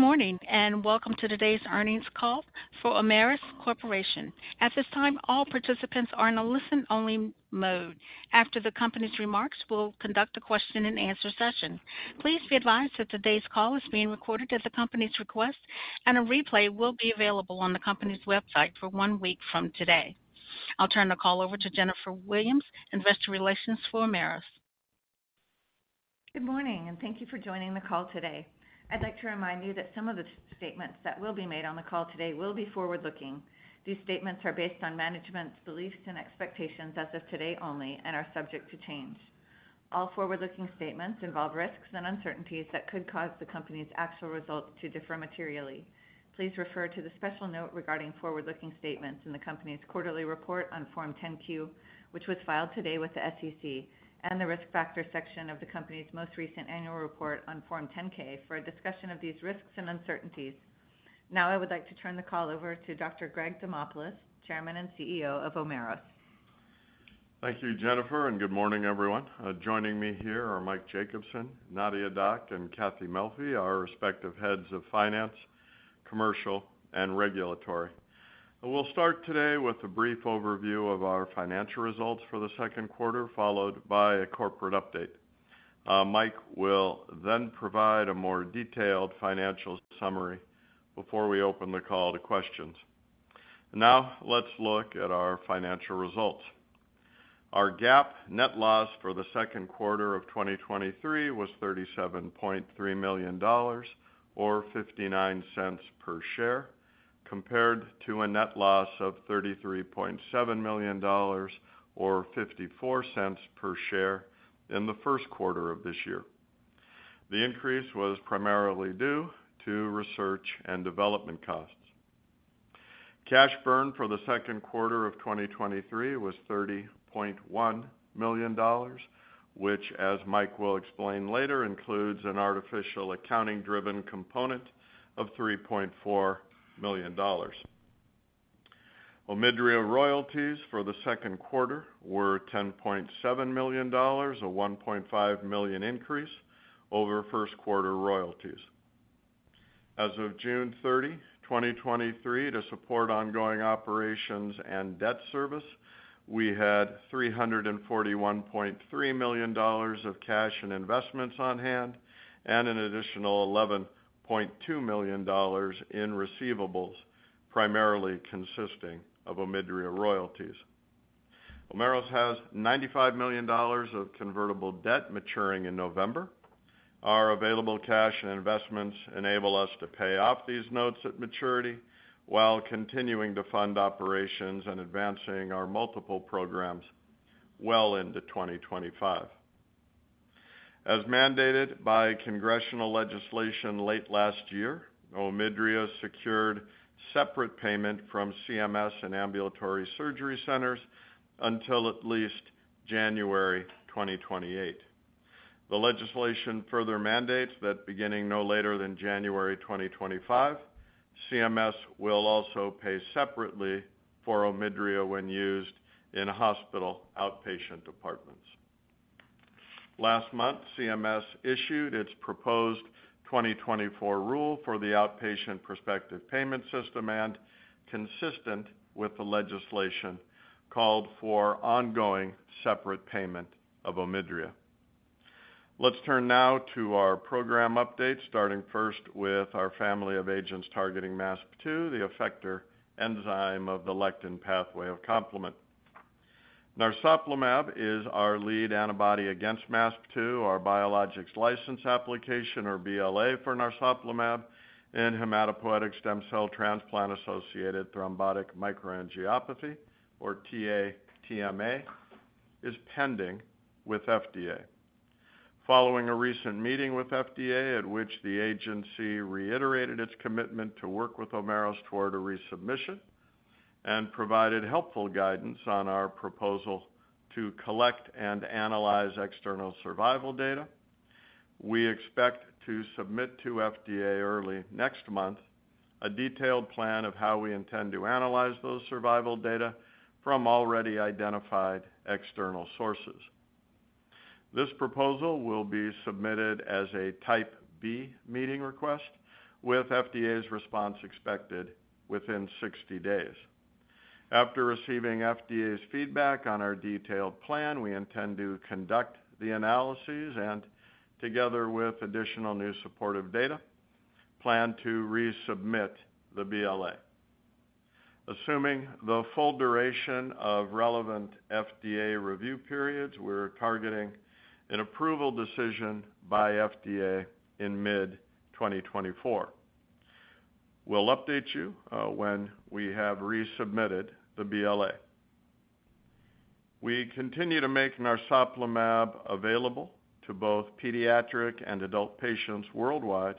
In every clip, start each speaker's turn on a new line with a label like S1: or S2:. S1: Good morning, and welcome to today's earnings call for Omeros Corporation. At this time, all participants are in a listen-only mode. After the company's remarks, we'll conduct a question-and-answer session. Please be advised that today's call is being recorded at the company's request, and a replay will be available on the company's website for one week from today. I'll turn the call over to Jennifer Williams, investor relations for Omeros.
S2: Good morning. Thank you for joining the call today. I'd like to remind you that some of the statements that will be made on the call today will be forward-looking. These statements are based on management's beliefs and expectations as of today only and are subject to change. All forward-looking statements involve risks and uncertainties that could cause the company's actual results to differ materially. Please refer to the special note regarding forward-looking statements in the company's quarterly report on Form 10-Q, which was filed today with the SEC, and the Risk Factors section of the company's most recent annual report on Form 10-K for a discussion of these risks and uncertainties. Now, I would like to turn the call over to Dr. Greg Demopulos, Chairman and CEO of Omeros.
S3: Thank you, Jennifer Williams, and good morning, everyone. Joining me here are Mike Jacobsen, Nadia Dac, and Cathy Melfi, our respective heads of finance, commercial, and regulatory. We'll start today with a brief overview of our financial results for the second quarter, followed by a corporate update. Mike Jacobsen will then provide a more detailed financial summary before we open the call to questions. Now, let's look at our financial results. Our GAAP net loss for the second quarter of 2023 was $37.3 million, or $0.59 per share, compared to a net loss of $33.7 million, or $0.54 per share in the first quarter of this year. The increase was primarily due to research and development costs. Cash burn for the second quarter of 2023 was $30.1 million, which, as Mike Jacobsen will explain later, includes an artificial accounting-driven component of $3.4 million. OMIDRIA royalties for the second quarter were $10.7 million, a $1.5 million increase over first quarter royalties. As of June 30, 2023, to support ongoing operations and debt service, we had $341.3 million of cash and investments on hand and an additional $11.2 million in receivables, primarily consisting of OMIDRIA royalties. Omeros has $95 million of convertible debt maturing in November. Our available cash and investments enable us to pay off these notes at maturity while continuing to fund operations and advancing our multiple programs well into 2025. As mandated by congressional legislation late last year, OMIDRIA secured separate payment from CMS and ambulatory surgery centers until at least January 2028. The legislation further mandates that beginning no later than January 2025, CMS will also pay separately for OMIDRIA when used in hospital outpatient departments. Last month, CMS issued its proposed 2024 rule for the outpatient prospective payment system and, consistent with the legislation, called for ongoing separate payment of OMIDRIA. Let's turn now to our program updates, starting first with our family of agents targeting MASP-2, the effector enzyme of the lectin pathway of complement. Narsoplimab is our lead antibody against MASP-2, our Biologics License Application, or BLA, for narsoplimab in hematopoietic stem cell transplant-associated thrombotic microangiopathy, or TA-TMA, is pending with FDA. Following a recent meeting with FDA, at which the agency reiterated its commitment to work with Omeros toward a resubmission and provided helpful guidance on our proposal to collect and analyze external survival data, we expect to submit to FDA early next month a detailed plan of how we intend to analyze those survival data from already identified external sources. This proposal will be submitted as a Type B meeting request, with FDA's response expected within 60 days. After receiving FDA's feedback on our detailed plan, we intend to conduct the analyses and together with additional new supportive data, plan to resubmit the BLA. Assuming the full duration of relevant FDA review periods, we're targeting an approval decision by FDA in mid-2024. We'll update you when we have resubmitted the BLA. We continue to make narsoplimab available to both pediatric and adult patients worldwide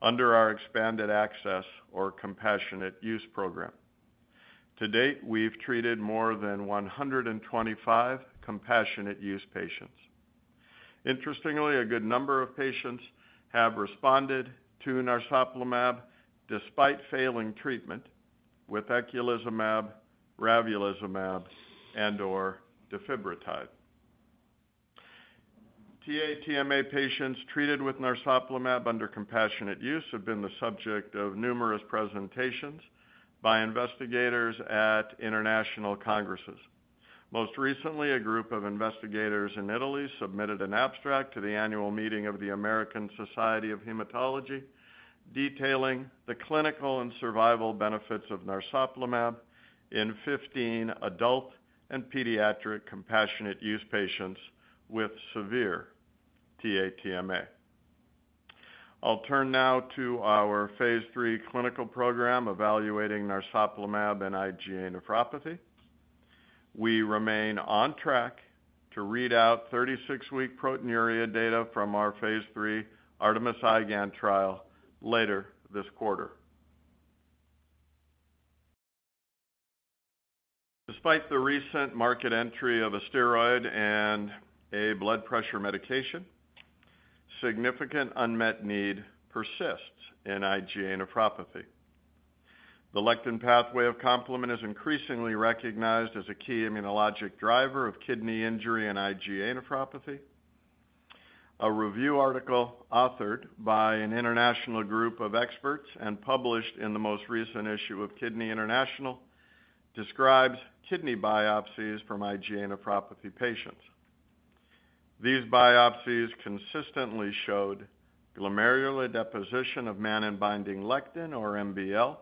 S3: under our expanded access or compassionate use program. To date, we've treated more than 125 compassionate use patients. Interestingly, a good number of patients have responded to narsoplimab despite failing treatment with eculizumab, ravulizumab, and/or defibrotide. TA-TMA patients treated with narsoplimab under compassionate use have been the subject of numerous presentations by investigators at international congresses. Most recently, a group of investigators in Italy submitted an abstract to the annual meeting of the American Society of Hematology, detailing the clinical and survival benefits of narsoplimab in 15 adult and pediatric compassionate use patients with severe TA-TMA. I'll turn now to our phase III clinical program evaluating narsoplimab and IgA nephropathy. We remain on track to read out 36-week proteinuria data from our phase III ARTEMIS-IGAN trial later this quarter. Despite the recent market entry of a steroid and a blood pressure medication, significant unmet need persists in IgA nephropathy. The lectin pathway of complement is increasingly recognized as a key immunologic driver of kidney injury and IgA nephropathy. A review article authored by an international group of experts and published in the most recent issue of Kidney International, describes kidney biopsies from IgA nephropathy patients. These biopsies consistently showed glomerular deposition of mannan-binding lectin, or MBL,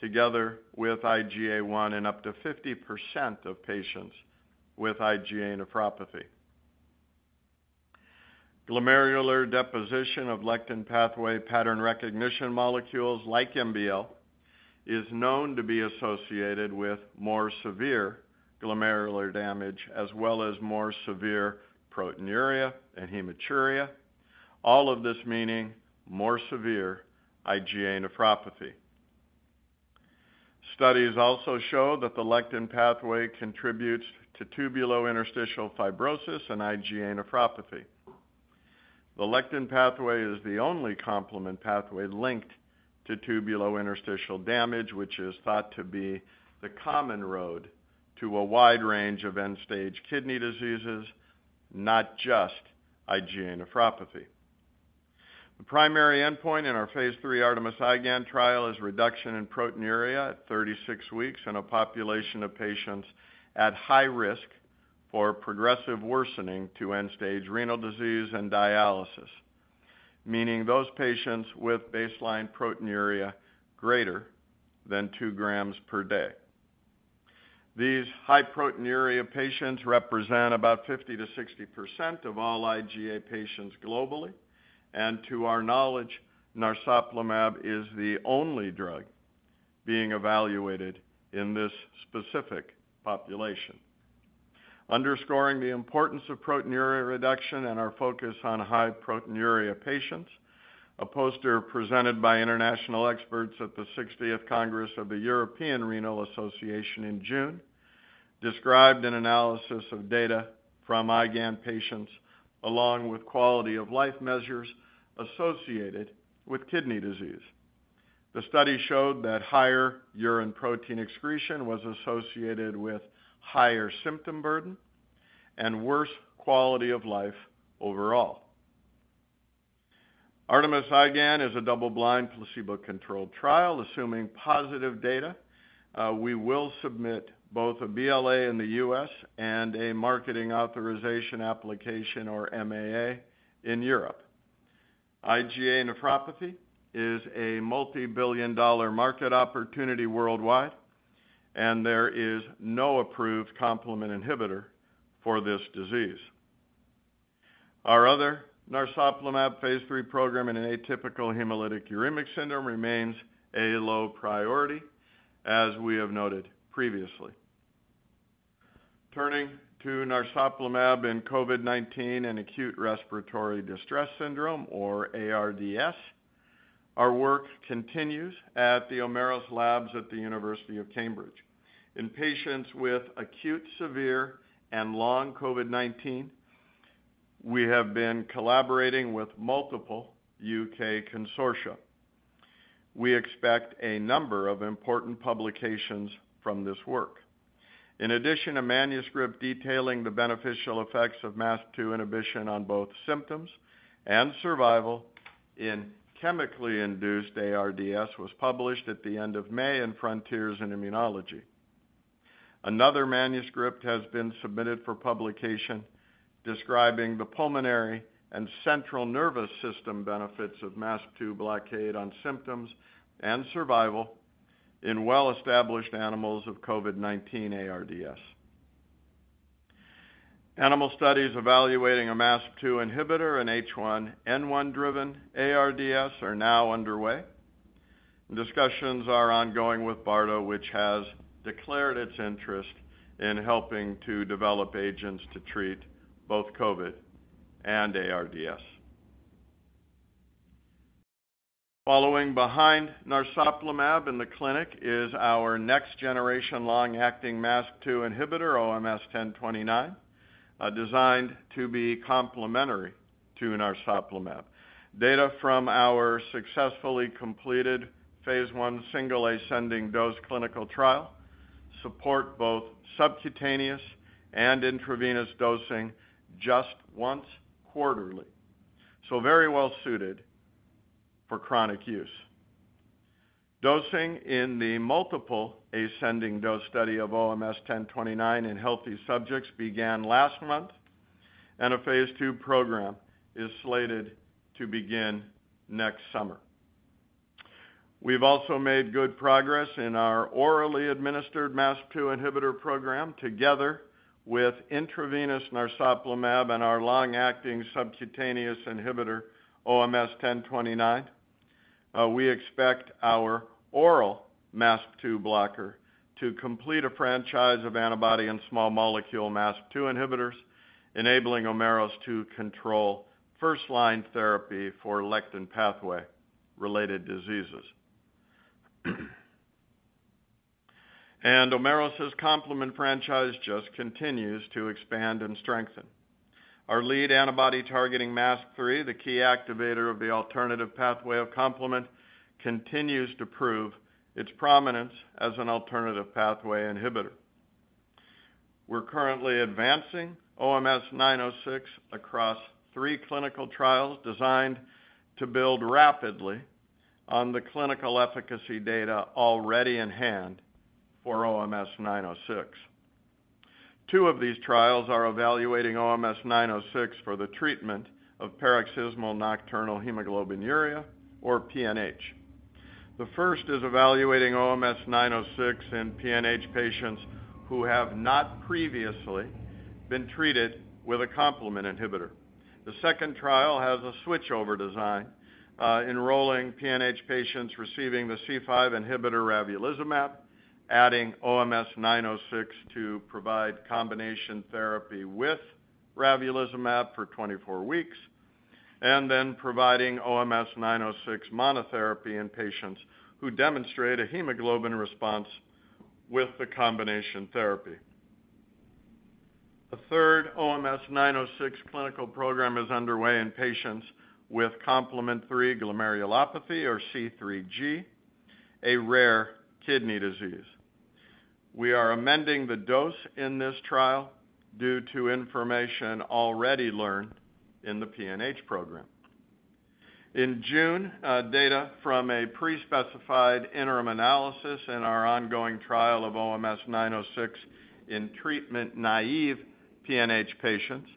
S3: together with IgA1 in up to 50% of patients with IgA nephropathy. Glomerular deposition of lectin pathway pattern recognition molecules like MBL, is known to be associated with more severe glomerular damage, as well as more severe proteinuria and hematuria, all of this meaning more severe IgA nephropathy. Studies also show that the lectin pathway contributes to tubulointerstitial fibrosis and IgA nephropathy. The lectin pathway is the only complement pathway linked to tubulointerstitial damage, which is thought to be the common road to a wide range of end-stage kidney diseases, not just IgA nephropathy. The primary endpoint in our phase III ARTEMIS-IGAN trial is reduction in proteinuria at 36 weeks in a population of patients at high risk for progressive worsening to end-stage renal disease and dialysis, meaning those patients with baseline proteinuria greater than 2 grams per day. These high proteinuria patients represent about 50%-60% of all IgA patients globally, and to our knowledge, narsoplimab is the only drug being evaluated in this specific population. Underscoring the importance of proteinuria reduction and our focus on high proteinuria patients, a poster presented by international experts at the 60th Congress of the European Renal Association in June, described an analysis of data from IgAN patients, along with quality of life measures associated with kidney disease. The study showed that higher urine protein excretion was associated with higher symptom burden and worse quality of life overall. ARTEMIS-IGAN is a double-blind, placebo-controlled trial. Assuming positive data, we will submit both a BLA in the US and a marketing authorization application, or MAA, in Europe. IgA nephropathy is a multibillion dollar market opportunity worldwide, and there is no approved complement inhibitor for this disease. Our other narsoplimab phase III program in an atypical hemolytic uremic syndrome remains a low priority, as we have noted previously. Turning to narsoplimab in COVID-19 and acute respiratory distress syndrome or ARDS, our work continues at the Omeros Labs at the University of Cambridge. In patients with acute, severe, and long COVID-19, we have been collaborating with multiple UK consortia. We expect a number of important publications from this work. In addition, a manuscript detailing the beneficial effects of MASP-2 inhibition on both symptoms and survival in chemically induced ARDS, was published at the end of May in Frontiers in Immunology. Another manuscript has been submitted for publication, describing the pulmonary and central nervous system benefits of MASP-2 blockade on symptoms and survival in well-established animals of COVID-19 ARDS. Animal studies evaluating a MASP-2 inhibitor and H1N1-driven ARDS are now underway. Discussions are ongoing with BARDA, which has declared its interest in helping to develop agents to treat both COVID and ARDS. Following behind narsoplimab in the clinic is our next generation long-acting MASP-2 inhibitor, OMS1029, designed to be complementary to narsoplimab. Data from our successfully completed phase I single ascending dose clinical trial support both subcutaneous and intravenous dosing just once quarterly, so very well suited for chronic use. Dosing in the multiple ascending dose study of OMS1029 in healthy subjects began last month, a phase II program is slated to begin next summer. We've also made good progress in our orally administered MASP-2 inhibitor program, together with intravenous narsoplimab and our long-acting subcutaneous inhibitor, OMS1029. We expect our oral MASP-2 blocker to complete a franchise of antibody and small molecule MASP-2 inhibitors, enabling Omeros to control first-line therapy for lectin pathway related diseases. Omeros' complement franchise just continues to expand and strengthen. Our lead antibody targeting MASP-3, the key activator of the alternative pathway of complement, continues to prove its prominence as an alternative pathway inhibitor. We're currently advancing OMS906 across three clinical trials designed to build rapidly on the clinical efficacy data already in hand for OMS906. Two of these trials are evaluating OMS906 for the treatment of paroxysmal nocturnal hemoglobinuria, or PNH. The first is evaluating OMS906 in PNH patients who have not previously been treated with a complement inhibitor. The second trial has a switchover design, enrolling PNH patients receiving the C5 inhibitor, ravulizumab, adding OMS906 to provide combination therapy with ravulizumab for 24 weeks, and then providing OMS906 monotherapy in patients who demonstrate a hemoglobin response with the combination therapy. The third OMS906 clinical program is underway in patients with complement 3 glomerulopathy or C3G, a rare kidney disease. We are amending the dose in this trial due to information already learned in the PNH program. In June, data from a pre-specified interim analysis in our ongoing trial of OMS906 in treatment-naive PNH patients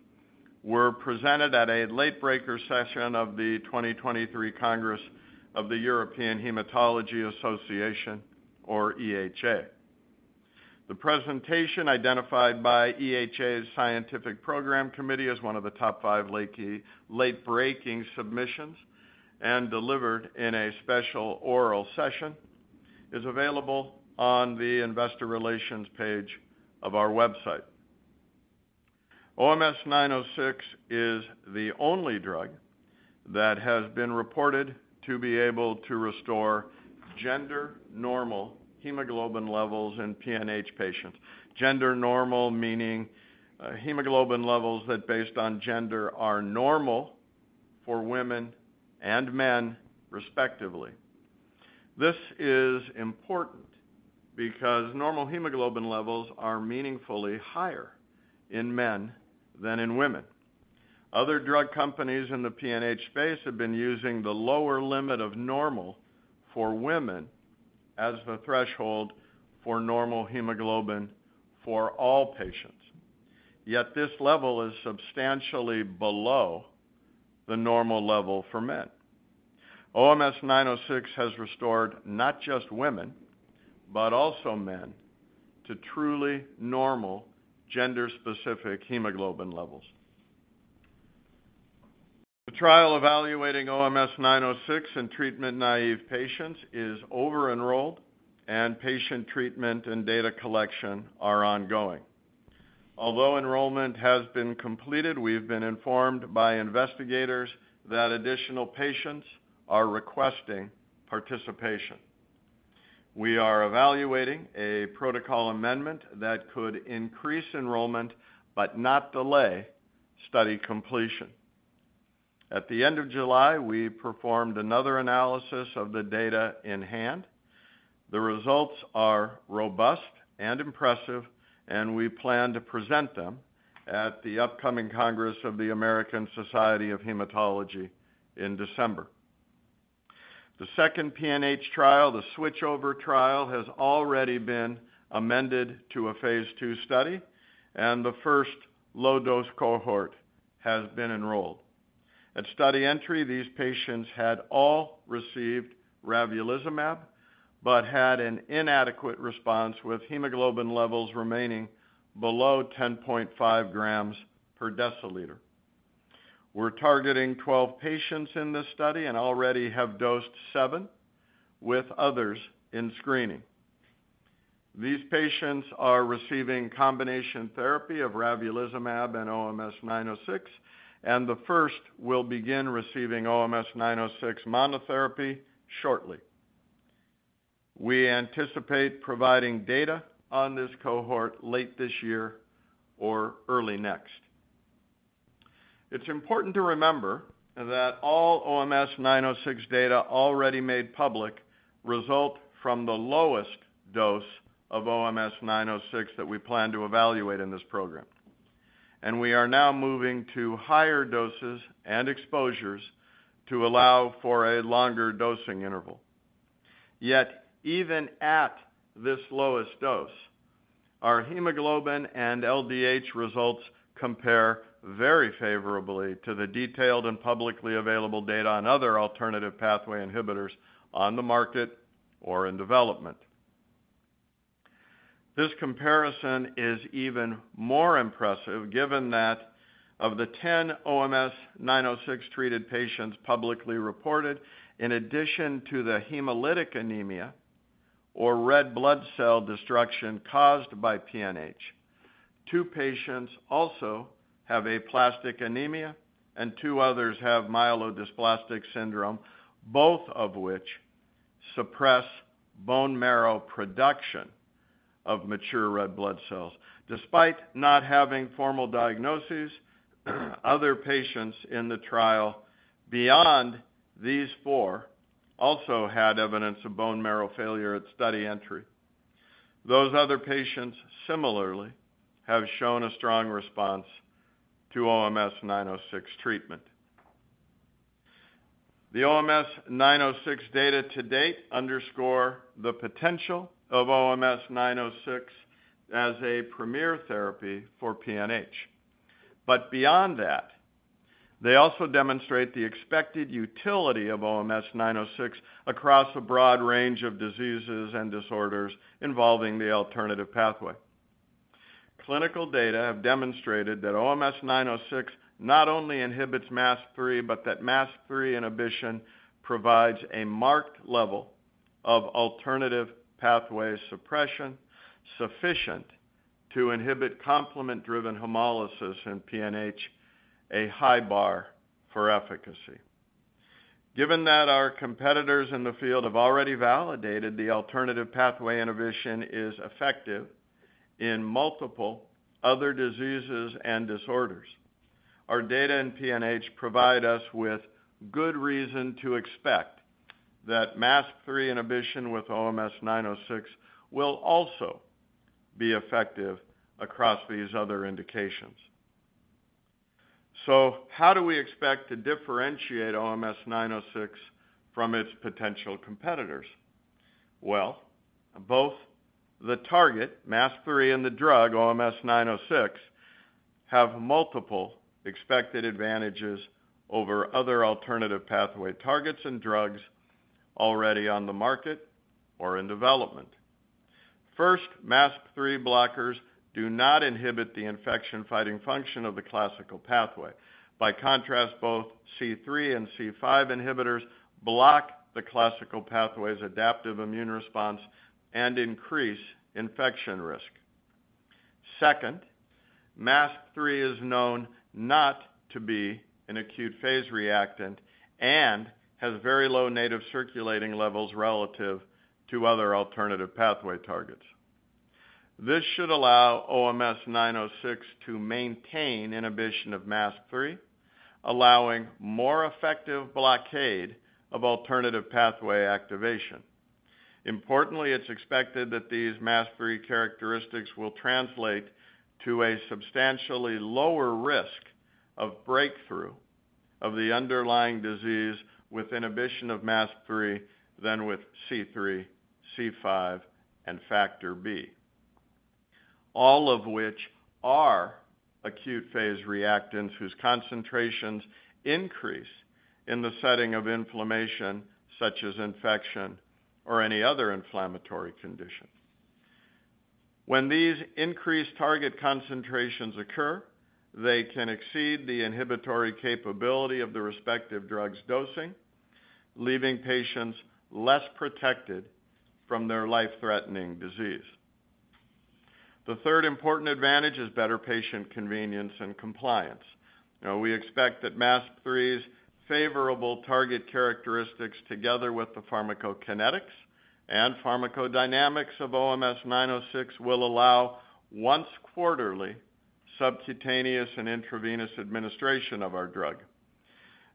S3: were presented at a late-breaking session of the 2023 Congress of the European Hematology Association, or EHA. The presentation, identified by EHA's Scientific Program Committee as one of the top five late-breaking submissions and delivered in a special oral session, is available on the investor relations page of our website. OMS906 is the only drug that has been reported to be able to restore gender-normal hemoglobin levels in PNH patients. Gender normal meaning, hemoglobin levels that, based on gender, are normal for women and men, respectively. This is important because normal hemoglobin levels are meaningfully higher in men than in women. Other drug companies in the PNH space have been using the lower limit of normal for women as the threshold for normal hemoglobin for all patients. Yet this level is substantially below the normal level for men. OMS906 has restored not just women, but also men, to truly normal gender-specific hemoglobin levels. The trial evaluating OMS906 in treatment-naive patients is over-enrolled, and patient treatment and data collection are ongoing. Although enrollment has been completed, we've been informed by investigators that additional patients are requesting participation. We are evaluating a protocol amendment that could increase enrollment, but not delay study completion. At the end of July, we performed another analysis of the data in hand. The results are robust and impressive, and we plan to present them at the upcoming Congress of the American Society of Hematology in December. The second PNH trial, the switchover trial, has already been amended to a phase II study, and the first low-dose cohort has been enrolled. At study entry, these patients had all received ravulizumab, but had an inadequate response, with hemoglobin levels remaining below 10.5 grams per deciliter. We're targeting 12 patients in this study and already have dosed seven, with others in screening. These patients are receiving combination therapy of ravulizumab and OMS906, and the first will begin receiving OMS906 monotherapy shortly. We anticipate providing data on this cohort late this year or early next. It's important to remember that all OMS906 data already made public result from the lowest dose of OMS906 that we plan to evaluate in this program. We are now moving to higher doses and exposures to allow for a longer dosing interval. Yet, even at this lowest dose, our hemoglobin and LDH results compare very favorably to the detailed and publicly available data on other alternative pathway inhibitors on the market or in development. This comparison is even more impressive, given that of the 10 OMS906 treated patients publicly reported, in addition to the hemolytic anemia or red blood cell destruction caused by PNH, two patients also have aplastic anemia, and two others have myelodysplastic syndrome, both of which suppress bone marrow production of mature red blood cells. Despite not having formal diagnoses, other patients in the trial beyond these four also had evidence of bone marrow failure at study entry. Those other patients similarly have shown a strong response to OMS906 treatment. The OMS906 data to date underscore the potential of OMS906 as a premier therapy for PNH. Beyond that, they also demonstrate the expected utility of OMS906 across a broad range of diseases and disorders involving the alternative pathway. Clinical data have demonstrated that OMS906 not only inhibits MASP-3, but that MASP-3 inhibition provides a marked level of alternative pathway suppression, sufficient to inhibit complement-driven hemolysis in PNH, a high bar for efficacy. Given that our competitors in the field have already validated the alternative pathway inhibition is effective in multiple other diseases and disorders, our data in PNH provide us with good reason to expect that MASP-3 inhibition with OMS906 will also be effective across these other indications. How do we expect to differentiate OMS906 from its potential competitors? Well, both the target MASP-3 and the drug OMS906, have multiple expected advantages over other alternative pathway targets and drugs already on the market or in development. First, MASP-3 blockers do not inhibit the infection-fighting function of the classical pathway. By contrast, both C3 and C5 inhibitors block the classical pathway's adaptive immune response and increase infection risk. Second, MASP-3 is known not to be an acute phase reactant and has very low native circulating levels relative to other alternative pathway targets. This should allow OMS906 to maintain inhibition of MASP-3, allowing more effective blockade of alternative pathway activation. Importantly, it's expected that these MASP-3 characteristics will translate to a substantially lower risk of breakthrough of the underlying disease with inhibition of MASP-3 than with C3, C5, and factor B. All of which are acute phase reactants whose concentrations increase in the setting of inflammation, such as infection or any other inflammatory condition. When these increased target concentrations occur, they can exceed the inhibitory capability of the respective drug's dosing, leaving patients less protected from their life-threatening disease. The third important advantage is better patient convenience and compliance. Now, we expect that MASP-3's favorable target characteristics, together with the pharmacokinetics and pharmacodynamics of OMS906, will allow once-quarterly subcutaneous and intravenous administration of our drug.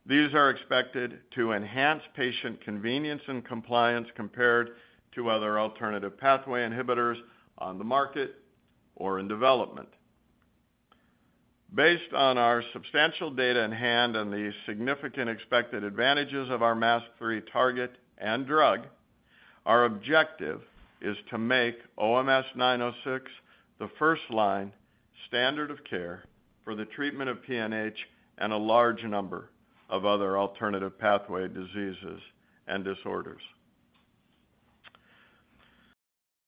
S3: These are expected to enhance patient convenience and compliance compared to other alternative pathway inhibitors on the market or in development. Based on our substantial data in hand and the significant expected advantages of our MASP-3 target and drug, our objective is to make OMS906 the first-line standard of care for the treatment of PNH and a large number of other alternative pathway diseases and disorders.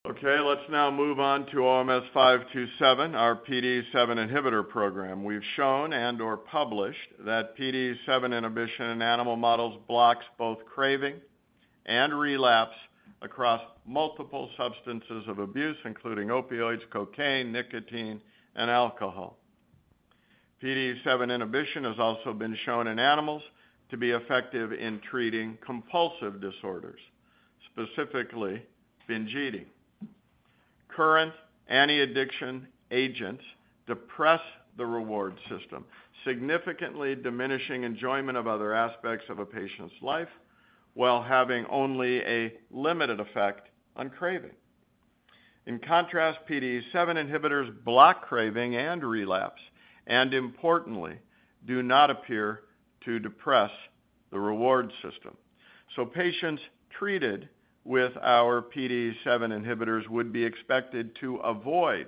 S3: Okay, let's now move on to OMS527, our PDE7 inhibitor program. We've shown and/or published that PDE7 inhibition in animal models blocks both craving and relapse across multiple substances of abuse, including opioids, cocaine, nicotine, and alcohol. PDE7 inhibition has also been shown in animals to be effective in treating compulsive disorders, specifically binge eating. Current anti-addiction agents depress the reward system, significantly diminishing enjoyment of other aspects of a patient's life, while having only a limited effect on craving. In contrast, PDE7 inhibitors block craving and relapse, and importantly, do not appear to depress the reward system. Patients treated with our PDE7 inhibitors would be expected to avoid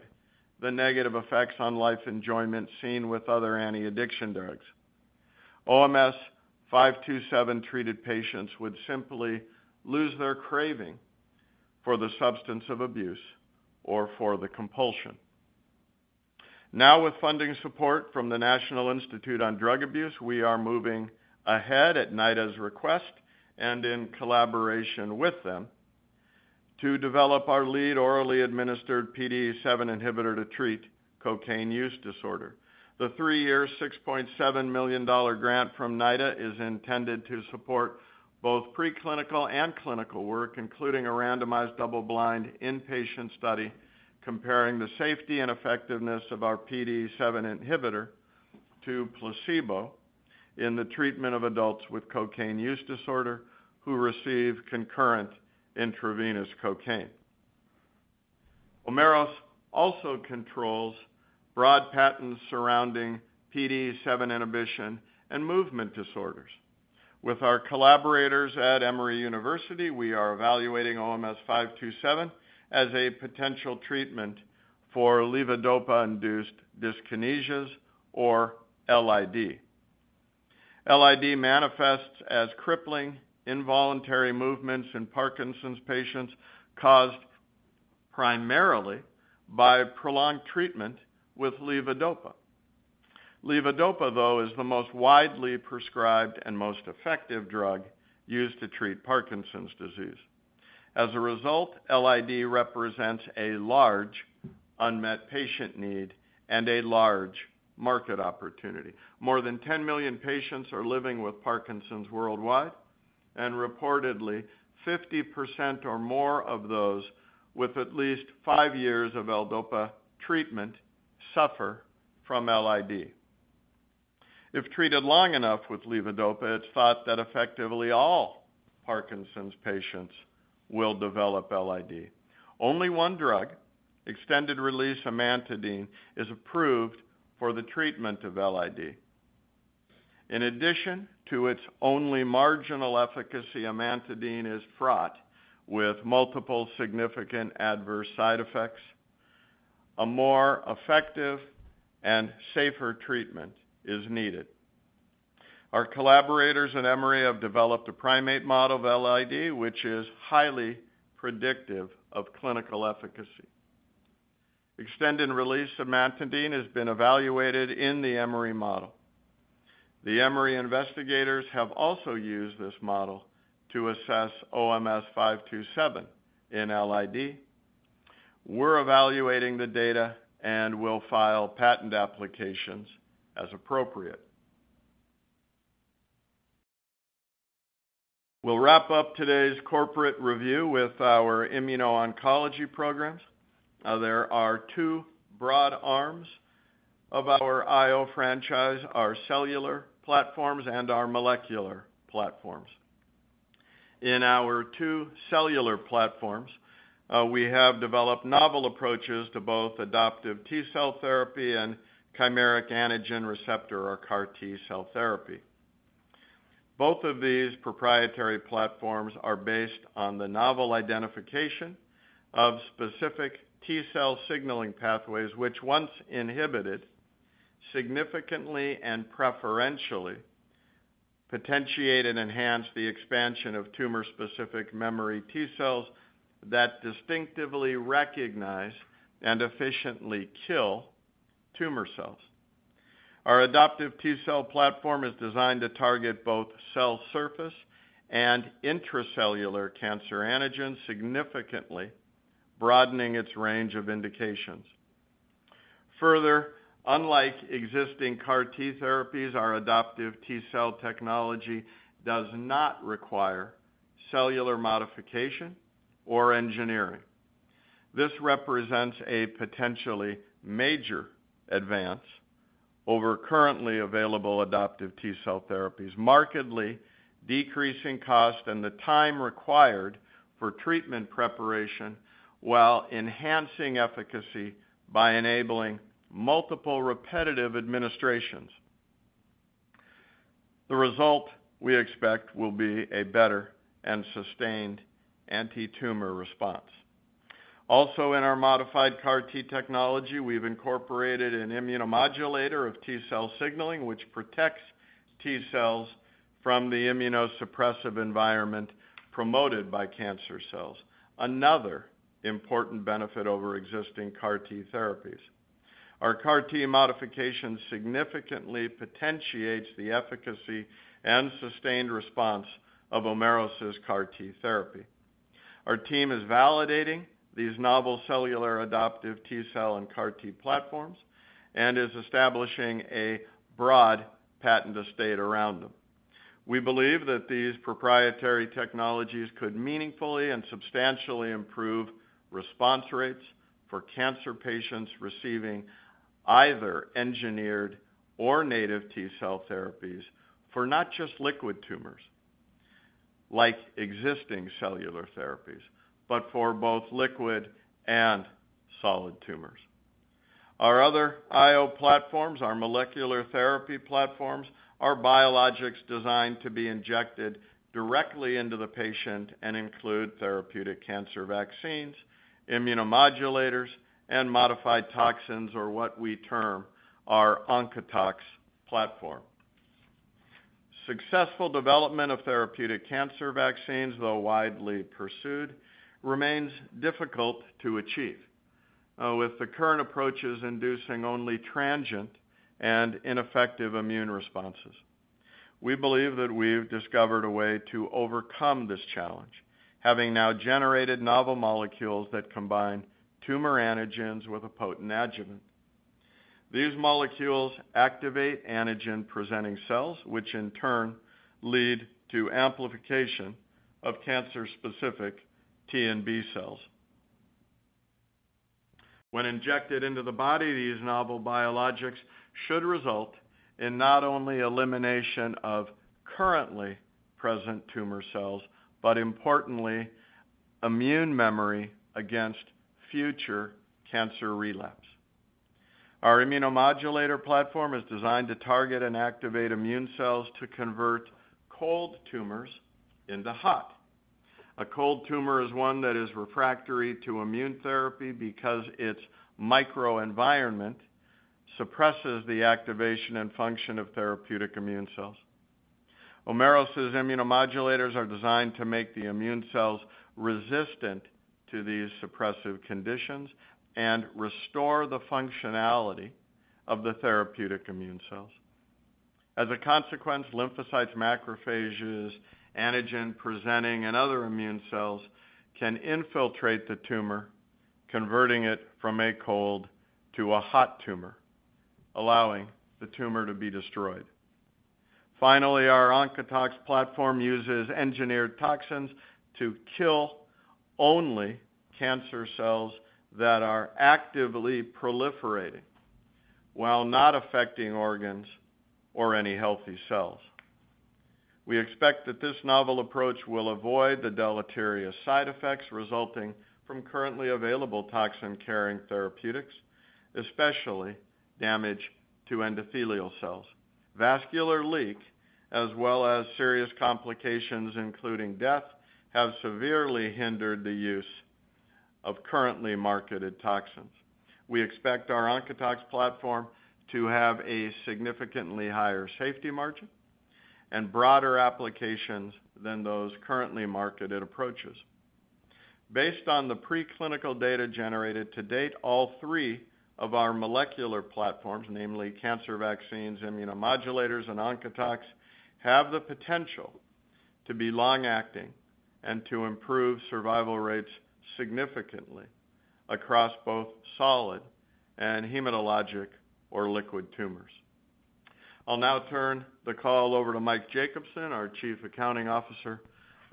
S3: the negative effects on life enjoyment seen with other anti-addiction drugs. OMS527 treated patients would simply lose their craving for the substance of abuse or for the compulsion. Now, with funding support from the National Institute on Drug Abuse, we are moving ahead at NIDA's request and in collaboration with them, to develop our lead orally administered PDE7 inhibitor to treat cocaine use disorder. The three-year, $6.7 million grant from NIDA is intended to support both preclinical and clinical work, including a randomized, double-blind, inpatient study, comparing the safety and effectiveness of our PDE7 inhibitor to placebo in the treatment of adults with cocaine use disorder, who receive concurrent intravenous cocaine. Omeros also controls broad patents surrounding PDE7 inhibition and movement disorders. With our collaborators at Emory University, we are evaluating OMS527 as a potential treatment for levodopa-induced dyskinesias or LID. LID manifests as crippling, involuntary movements in Parkinson's patients, caused primarily by prolonged treatment with levodopa. Levodopa, though, is the most widely prescribed and most effective drug used to treat Parkinson's disease. As a result, LID represents a large unmet patient need and a large market opportunity. More than 10 million patients are living with Parkinson's worldwide, and reportedly, 50% or more of those with at least five years of L-dopa treatment suffer from LID. If treated long enough with levodopa, it's thought that effectively all Parkinson's patients will develop LID. Only one drug, extended-release amantadine, is approved for the treatment of LID. In addition to its only marginal efficacy, amantadine is fraught with multiple significant adverse side effects. A more effective and safer treatment is needed. Our collaborators at Emory have developed a primate model of LID, which is highly predictive of clinical efficacy. Extended-release amantadine has been evaluated in the Emory model. The Emory investigators have also used this model to assess OMS527 in LID. We're evaluating the data and we'll file patent applications as appropriate. We'll wrap up today's corporate review with our immuno-oncology programs. There are two broad arms of our IO franchise, our cellular platforms and our molecular platforms. In our two cellular platforms, we have developed novel approaches to both adoptive T cell therapy and chimeric antigen receptor or CAR T cell therapy. Both of these proprietary platforms are based on the novel identification of specific T cell signaling pathways, which once inhibited, significantly and preferentially potentiate and enhance the expansion of tumor-specific memory T cells that distinctively recognize and efficiently kill tumor cells. Our adoptive T cell platform is designed to target both cell surface and intracellular cancer antigens, significantly broadening its range of indications. Further, unlike existing CAR T therapies, our adoptive T cell technology does not require cellular modification or engineering. This represents a potentially major advance over currently available adoptive T cell therapies, markedly decreasing cost and the time required for treatment preparation, while enhancing efficacy by enabling multiple repetitive administrations. The result we expect will be a better and sustained anti-tumor response. Also, in our modified CAR T technology, we've incorporated an immunomodulator of T cell signaling, which protects T cells from the immunosuppressive environment promoted by cancer cells, another important benefit over existing CAR T therapies. Our CAR T modification significantly potentiates the efficacy and sustained response of Omeros' CAR T therapy. Our team is validating these novel cellular adoptive T cell and CAR T platforms and is establishing a broad patent estate around them.... We believe that these proprietary technologies could meaningfully and substantially improve response rates for cancer patients receiving either engineered or native T cell therapies for not just liquid tumors, like existing cellular therapies, but for both liquid and solid tumors. Our other IO platforms, our molecular therapy platforms, are biologics designed to be injected directly into the patient and include therapeutic cancer vaccines, immunomodulators, and modified toxins, or what we term our OncotoX platform. Successful development of therapeutic cancer vaccines, though widely pursued, remains difficult to achieve with the current approaches inducing only transient and ineffective immune responses. We believe that we've discovered a way to overcome this challenge, having now generated novel molecules that combine tumor antigens with a potent adjuvant. These molecules activate antigen-presenting cells, which in turn lead to amplification of cancer-specific T and B cells. When injected into the body, these novel biologics should result in not only elimination of currently present tumor cells, but importantly, immune memory against future cancer relapse. Our immunomodulator platform is designed to target and activate immune cells to convert cold tumors into hot. A cold tumor is one that is refractory to immune therapy because its microenvironment suppresses the activation and function of therapeutic immune cells. Omeros' immunomodulators are designed to make the immune cells resistant to these suppressive conditions and restore the functionality of the therapeutic immune cells. As a consequence, lymphocytes, macrophages, antigen-presenting, and other immune cells can infiltrate the tumor, converting it from a cold to a hot tumor, allowing the tumor to be destroyed. Finally, our OncotoX platform uses engineered toxins to kill only cancer cells that are actively proliferating, while not affecting organs or any healthy cells. We expect that this novel approach will avoid the deleterious side effects resulting from currently available toxin-carrying therapeutics, especially damage to endothelial cells. Vascular leak, as well as serious complications, including death, have severely hindered the use of currently marketed toxins. We expect our OncotoX platform to have a significantly higher safety margin and broader applications than those currently marketed approaches. Based on the preclinical data generated to date, all three of our molecular platforms, namely cancer vaccines, immunomodulators, and OncotoX, have the potential to be long-acting and to improve survival rates significantly across both solid and hematologic or liquid tumors. I'll now turn the call over to Mike Jacobsen, our Chief Accounting Officer,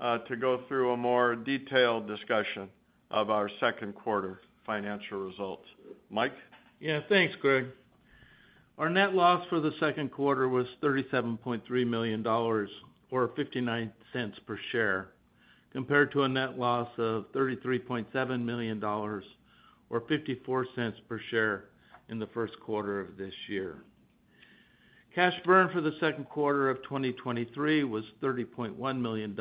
S3: to go through a more detailed discussion of our second quarter financial results. Mike?
S4: Yeah, thanks, Greg. Our net loss for the second quarter was $37.3 million, or $0.59 per share, compared to a net loss of $33.7 million, or $0.54 per share in the first quarter of this year. Cash burn for the second quarter of 2023 was $30.1 million.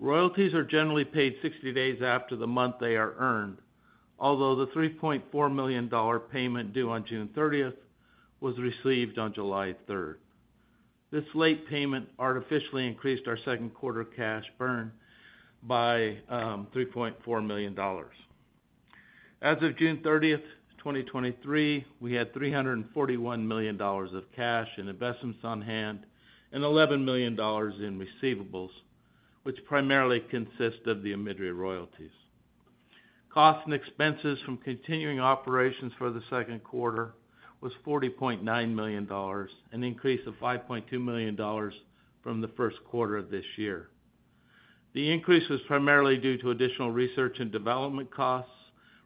S4: Royalties are generally paid 60 days after the month they are earned, although the $3.4 million payment due on June 30th was received on July 3rd. This late payment artificially increased our second quarter cash burn by $3.4 million. As of June 30th, 2023, we had $341 million of cash and investments on hand and $11 million in receivables, which primarily consist of the OMIDRIA royalties. Costs and expenses from continuing operations for the second quarter was $40.9 million, an increase of $5.2 million from the first quarter of this year. The increase was primarily due to additional research and development costs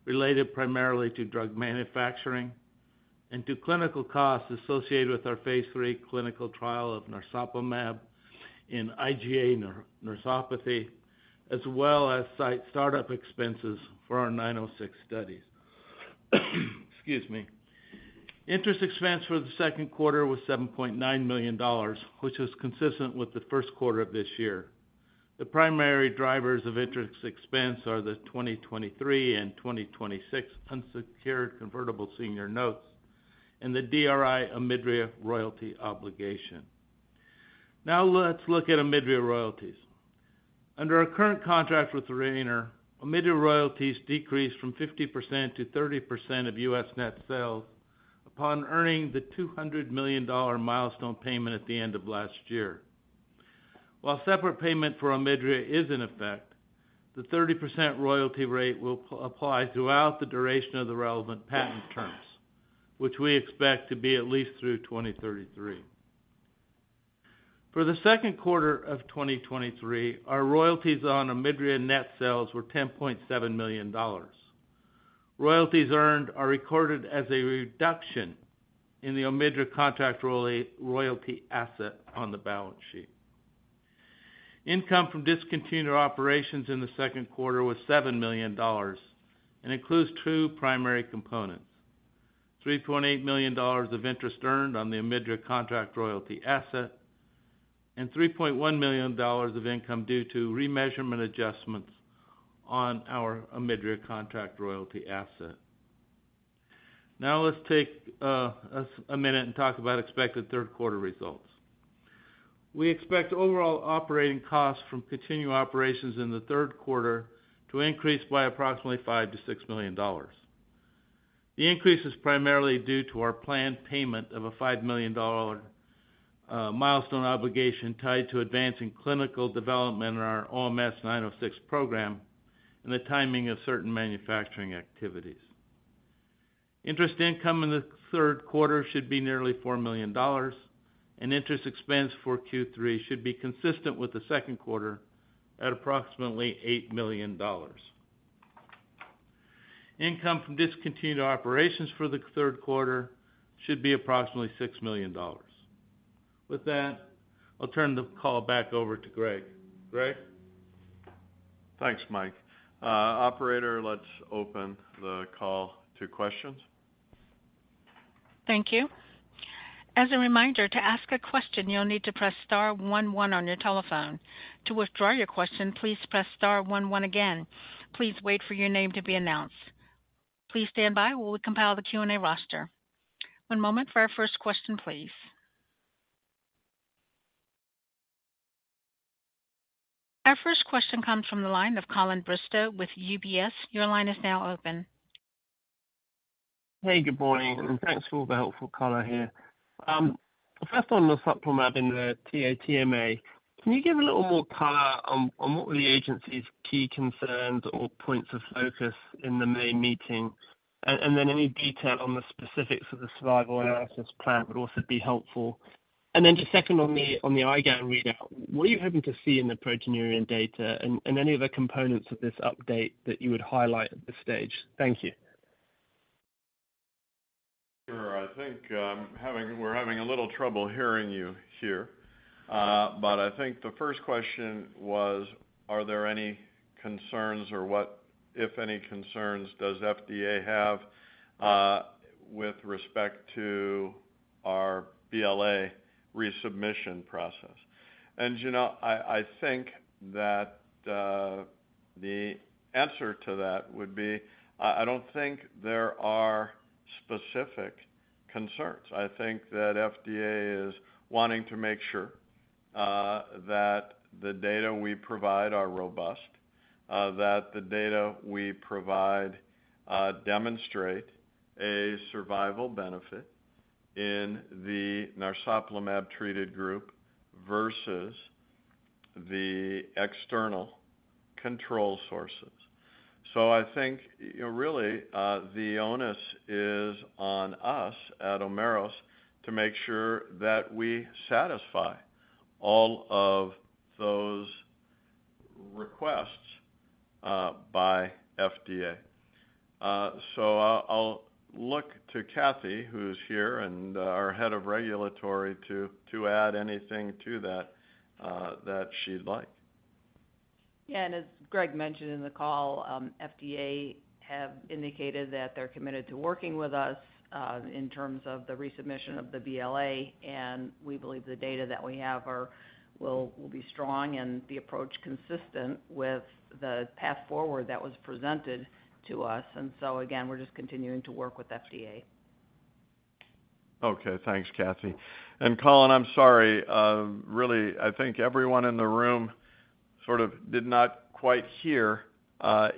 S4: related primarily to drug manufacturing and to clinical costs associated with our phase III clinical trial of narsoplimab in IgA nephropathy, as well as site startup expenses for our OMS906 studies. Excuse me. Interest expense for the second quarter was $7.9 million, which is consistent with the first quarter of this year. The primary drivers of interest expense are the 2023 and 2026 unsecured convertible senior notes and the DRI OMIDRIA royalty obligation. Now let's look at OMIDRIA royalties. Under our current contract with Rayner, OMIDRIA royalties decreased from 50% to 30% of US net sales upon earning the $200 million milestone payment at the end of last year. While separate payment for OMIDRIA is in effect, the 30% royalty rate will apply throughout the duration of the relevant patent terms, which we expect to be at least through 2033. For the second quarter of 2023, our royalties on OMIDRIA net sales were $10.7 million. Royalties earned are recorded as a reduction in the OMIDRIA contract royalty asset on the balance sheet. Income from discontinued operations in the second quarter was $7 million and includes two primary components: $3.8 million of interest earned on the OMIDRIA contract royalty asset and $3.1 million of income due to remeasurement adjustments on our OMIDRIA contract royalty asset. Let's take us a minute and talk about expected third quarter results. We expect overall operating costs from continued operations in the third quarter to increase by approximately $5 million-$6 million. The increase is primarily due to our planned payment of a $5 million milestone obligation tied to advancing clinical development in our OMS906 program and the timing of certain manufacturing activities. Interest income in the third quarter should be nearly $4 million, and interest expense for Q3 should be consistent with the second quarter at approximately $8 million. Income from discontinued operations for the third quarter should be approximately $6 million. With that, I'll turn the call back over to Greg. Greg?
S3: Thanks, Mike. Operator, let's open the call to questions.
S1: Thank you. As a reminder, to ask a question, you'll need to press star 11 on your telephone. To withdraw your question, please press star 11 again. Please wait for your name to be announced. Please stand by while we compile the Q&A roster. One moment for our first question, please. Our first question comes from the line of Colin Bristow with UBS. Your line is now open.
S5: Hey, good morning, and thanks for all the helpful color here. First on the narsoplimab in the TA-TMA, can you give a little more color on what were the agency's key concerns or points of focus in the main meeting? Then any detail on the specifics of the survival analysis plan would also be helpful. Then just second on the IgAN readout, what are you hoping to see in the proteinuria data and any other components of this update that you would highlight at this stage? Thank you.
S3: Sure. I think, we're having a little trouble hearing you here. I think the first question was, are there any concerns or what, if any, concerns does FDA have with respect to our BLA resubmission process. You know, I think that the answer to that would be, I don't think there are specific concerns. I think that FDA is wanting to make sure that the data we provide are robust, that the data we provide demonstrate a survival benefit in the narsoplimab-treated group versus the external control sources. I think, you know, really, the onus is on us at Omeros to make sure that we satisfy all of those requests by FDA. I'll, I'll look to Cathy, who's here and, our Head of Regulatory, to, to add anything to that, that she'd like.
S6: Yeah, as Greg mentioned in the call, FDA have indicated that they're committed to working with us, in terms of the resubmission of the BLA, and we believe the data that we have will, will be strong and the approach consistent with the path forward that was presented to us. Again, we're just continuing to work with FDA.
S3: Okay. Thanks, Cathy. Colin, I'm sorry. Really, I think everyone in the room sort of did not quite hear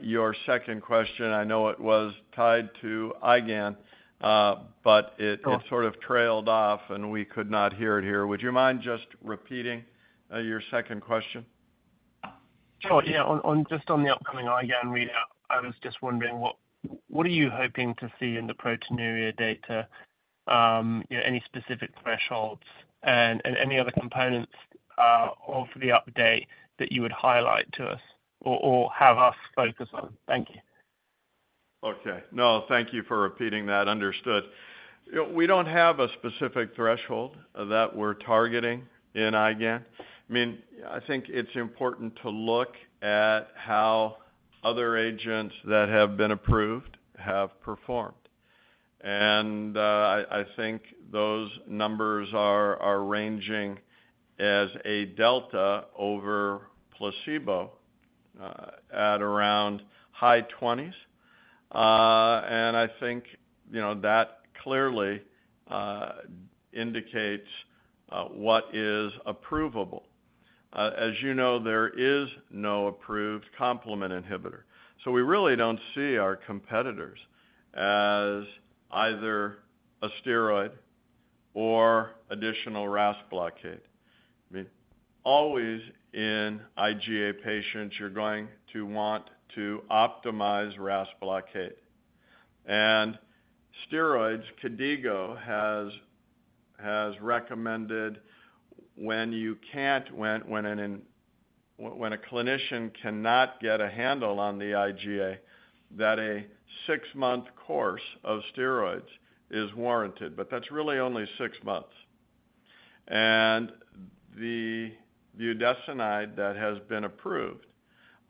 S3: your second question. I know it was tied to IgAN, but it-
S5: Sure.
S3: it sort of trailed off, and we could not hear it here. Would you mind just repeating, your second question?
S5: Sure, yeah. On, just on the upcoming IgAN readout, I was just wondering, what are you hoping to see in the proteinuria data? Any specific thresholds and any other components of the update that you would highlight to us or have us focus on? Thank you.
S3: Okay. No, thank you for repeating that. Understood. You know, we don't have a specific threshold that we're targeting in IgAN. I mean, I think it's important to look at how other agents that have been approved have performed. I, I think those numbers are, are ranging as a delta over placebo, at around high 20s. I think, you know, that clearly indicates what is approvable. As you know, there is no approved complement inhibitor, so we really don't see our competitors as either, a steroid or additional RAS blockade. I mean, always in IgA patients, you're going to want to optimize RAS blockade. Steroids, KDIGO has, has recommended when a clinician cannot get a handle on the IgA, that a six-month course of steroids is warranted. That's really only six months. The budesonide that has been approved,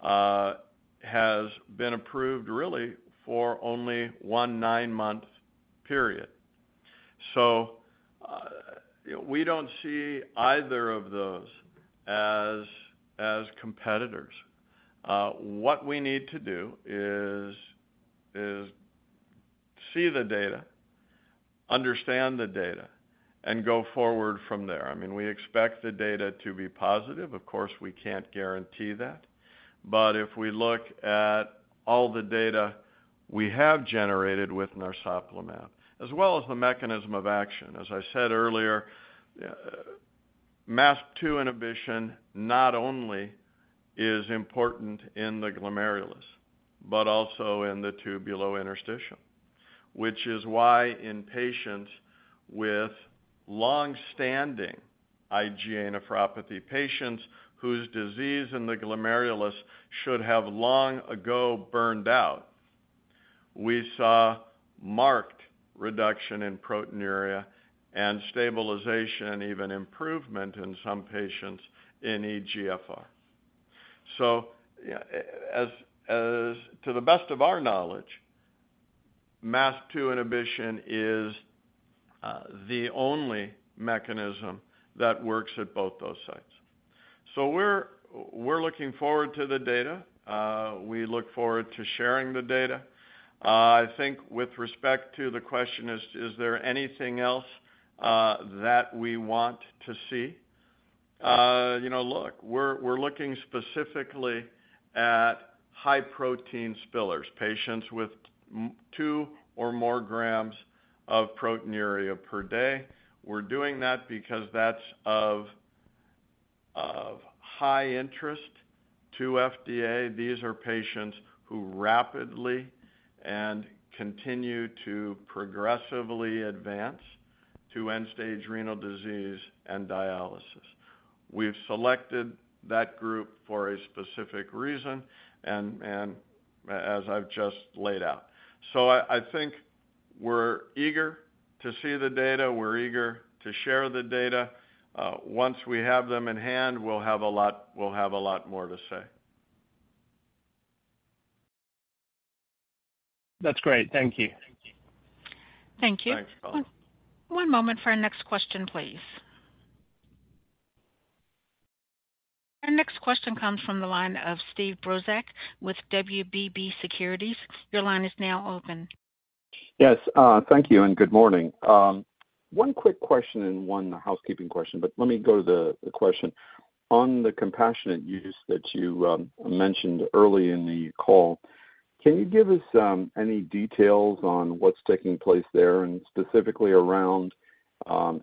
S3: has been approved really for only one nine-month period. We don't see either of those as competitors. What we need to do is see the data, understand the data, and go forward from there. I mean, we expect the data to be positive. Of course, we can't guarantee that. If we look at all the data we have generated with narsoplimab, as well as the mechanism of action. As I said earlier, MASP-2 inhibition not only is important in the glomerulus, but also in the tubulointerstitium. Which is why in patients with long-standing IgA nephropathy, patients whose disease in the glomerulus should have long ago burned out, we saw marked reduction in proteinuria and stabilization, even improvement in some patients in eGFR. To the best of our knowledge, MASP-2 inhibition is the only mechanism that works at both those sites. We're looking forward to the data. We look forward to sharing the data. I think with respect to the question, is there anything else that we want to see? You know, look, we're looking specifically at high protein spillers, patients with two or more grams of proteinuria per day. We're doing that because that's of high interest to FDA. These are patients who rapidly and continue to progressively advance to end-stage renal disease and dialysis. We've selected that group for a specific reason, and as I've just laid out. I think we're eager to see the data, we're eager to share the data. Once we have them in hand, we'll have a lot, we'll have a lot more to say.
S5: That's great. Thank you.
S1: Thank you.
S3: Thanks, Collin.
S1: One moment for our next question, please. Our next question comes from the line of Steve Brozak with WBB Securities. Your line is now open.
S7: Yes, thank you, and good morning. One quick question and one housekeeping question. Let me go to the, the question. On the compassionate use that you mentioned early in the call, can you give us any details on what's taking place there, and specifically around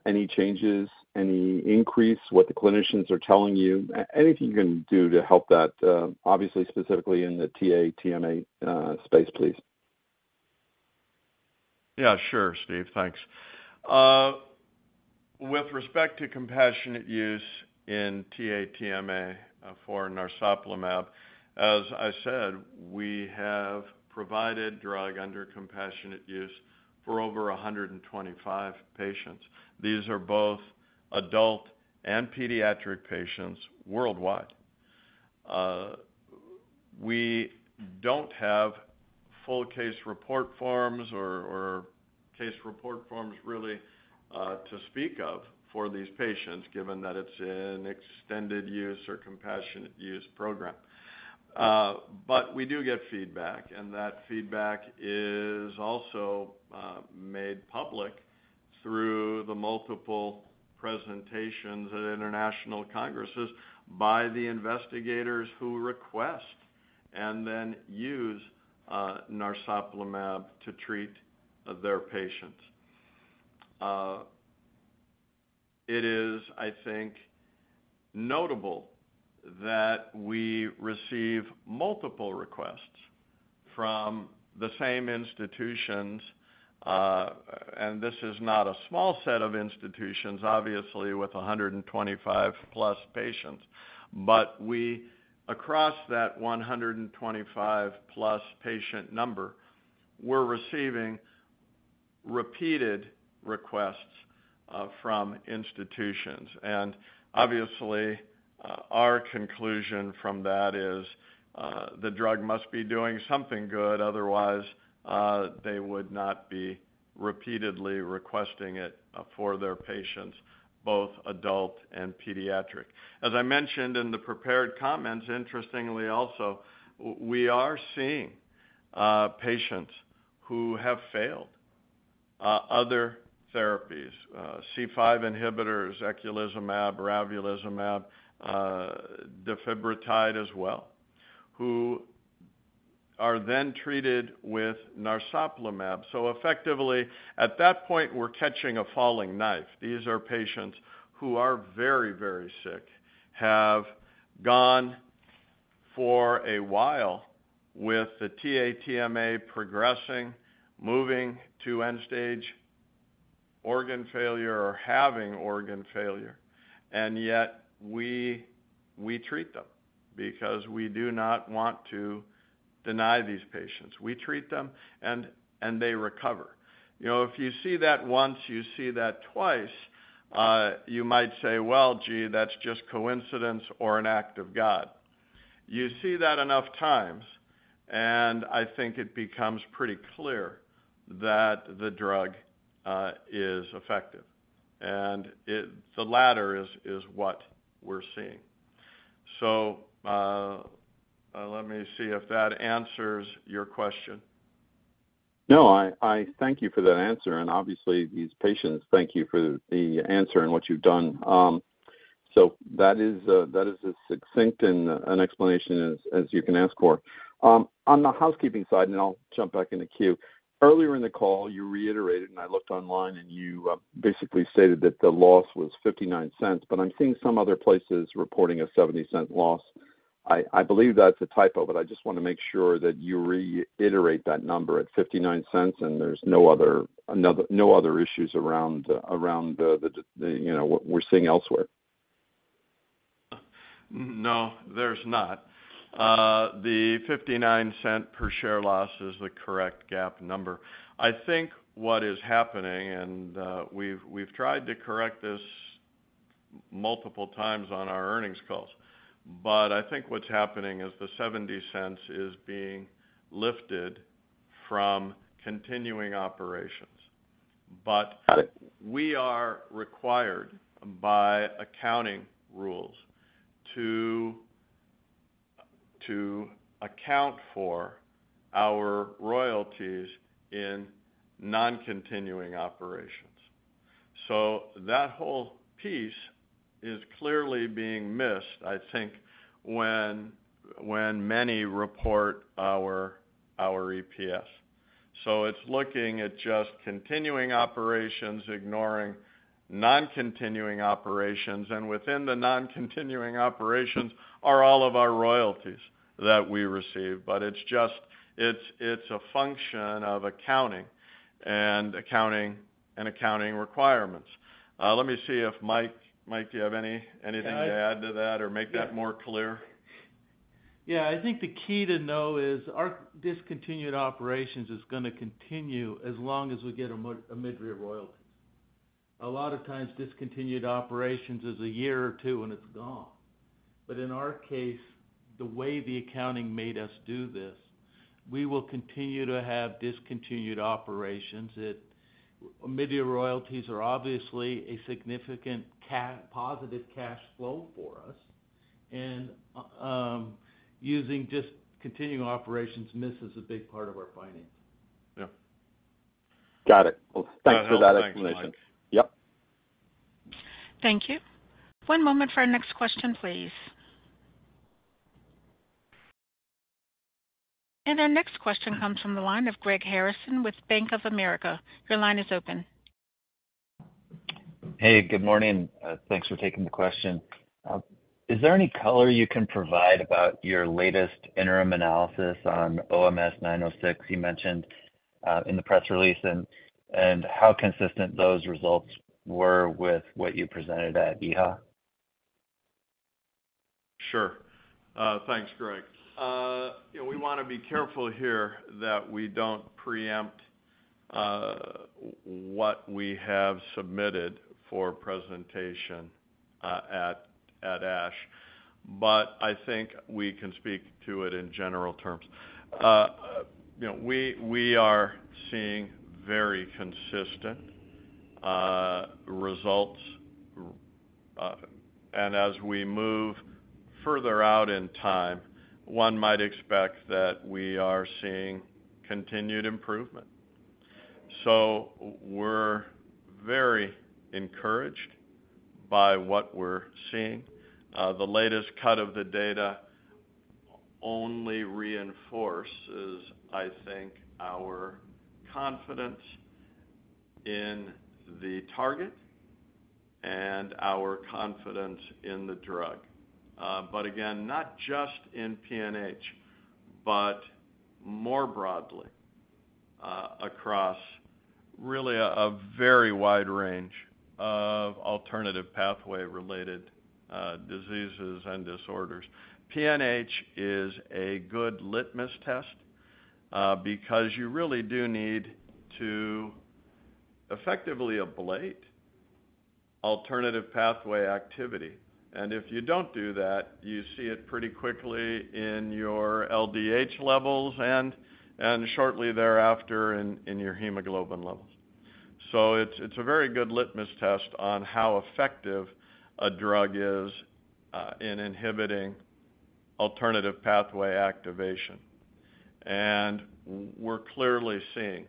S7: any changes, any increase, what the clinicians are telling you? Anything you can do to help that, obviously, specifically in the TA-TMA space, please.
S3: Yeah, sure, Steve. Thanks. With respect to compassionate use in TA-TMA, for narsoplimab, as I said, we have provided drug under compassionate use for over 125 patients. These are both adult and pediatric patients worldwide. We don't have full case report forms or, or case report forms really, to speak of for these patients, given that it's an extended use or compassionate use program. We do get feedback, and that feedback is also made public through the multiple presentations at international congresses by the investigators who request and then use narsoplimab to treat their patients. It is, I think, notable that we receive multiple requests from the same institutions, this is not a small set of institutions, obviously, with 125-plus patients. We, across that 125-plus patient number, we're receiving repeated requests from institutions. Obviously, our conclusion from that is the drug must be doing something good, otherwise, they would not be repeatedly requesting it for their patients, both adult and pediatric. As I mentioned in the prepared comments, interestingly also, we are seeing patients who have failed other therapies, C5 inhibitors, eculizumab, ravulizumab, defibrotide as well, are then treated with narsoplimab. Effectively, at that point, we're catching a falling knife. These are patients who are very, very sick, have gone for a while with the TA-TMA progressing, moving to end-stage organ failure or having organ failure, and yet we, we treat them because we do not want to deny these patients. We treat them, and they recover. You know, if you see that once, you see that twice, you might say, "Well, gee, that's just coincidence or an act of God." You see that enough times, and I think it becomes pretty clear that the drug is effective, and the latter is, is what we're seeing. Let me see if that answers your question.
S7: No, I, I thank you for that answer. Obviously, these patients thank you for the, the answer and what you've done. So that is a, that is a succinct and, an explanation as, as you can ask for. On the housekeeping side, then I'll jump back in the queue. Earlier in the call, you reiterated, I looked online, and you, basically stated that the loss was $0.59, but I'm seeing some other places reporting a $0.70 loss. I, I believe that's a typo, but I just wanna make sure that you reiterate that number at $0.59, and there's no other issues around the, you know, what we're seeing elsewhere.
S3: No, there's not. The $0.59 per share loss is the correct GAAP number. I think what is happening, and, we've, we've tried to correct this multiple times on our earnings calls, but I think what's happening is the $0.70 is being lifted from continuing operations. We are required by accounting rules to, to account for our royalties in non-continuing operations. That whole piece is clearly being missed, I think, when, when many report our, our EPS. It's looking at just continuing operations, ignoring non-continuing operations, and within the non-continuing operations are all of our royalties that we receive. It's just, it's a function of accounting and accounting, and accounting requirements. Let me see if Mike, do you have any, anything to add to that or make that more clear?
S4: Yeah, I think the key to know is our discontinued operations is gonna continue as long as we get our mid-year royalties. A lot of times, discontinued operations is one or two years, and it's gone. In our case, the way the accounting made us do this, we will continue to have discontinued operations. Mid-year royalties are obviously a significant positive cash flow for us, and using just continuing operations misses a big part of our findings.
S3: Yeah.
S7: Got it. Well, thanks for that explanation.
S3: Thanks, Mike.
S7: Yep.
S1: Thank you. One moment for our next question, please. Our next question comes from the line of Greg Harrison with Bank of America. Your line is open.
S8: Hey, good morning. Thanks for taking the question. Is there any color you can provide about your latest interim analysis on OMS906 you mentioned, in the press release, and how consistent those results were with what you presented at EHA?
S3: Sure. Thanks, Greg. You know, we wanna be careful here that we don't preempt what we have submitted for presentation at ASH, but I think we can speak to it in general terms. You know, we, we are seeing very consistent results, and as we move further out in time, one might expect that we are seeing continued improvement. We're very encouraged by what we're seeing. The latest cut of the data only reinforces, I think, our confidence in the target and our confidence in the drug. But again, not just in PNH, but more broadly, across really a very wide range of alternative pathway-related diseases and disorders. PNH is a good litmus test, because you really do need to effectively ablate alternative pathway activity. If you don't do that, you see it pretty quickly in your LDH levels and, and shortly thereafter in, in your hemoglobin levels. It's, it's a very good litmus test on how effective a drug is in inhibiting alternative pathway activation. We're clearly seeing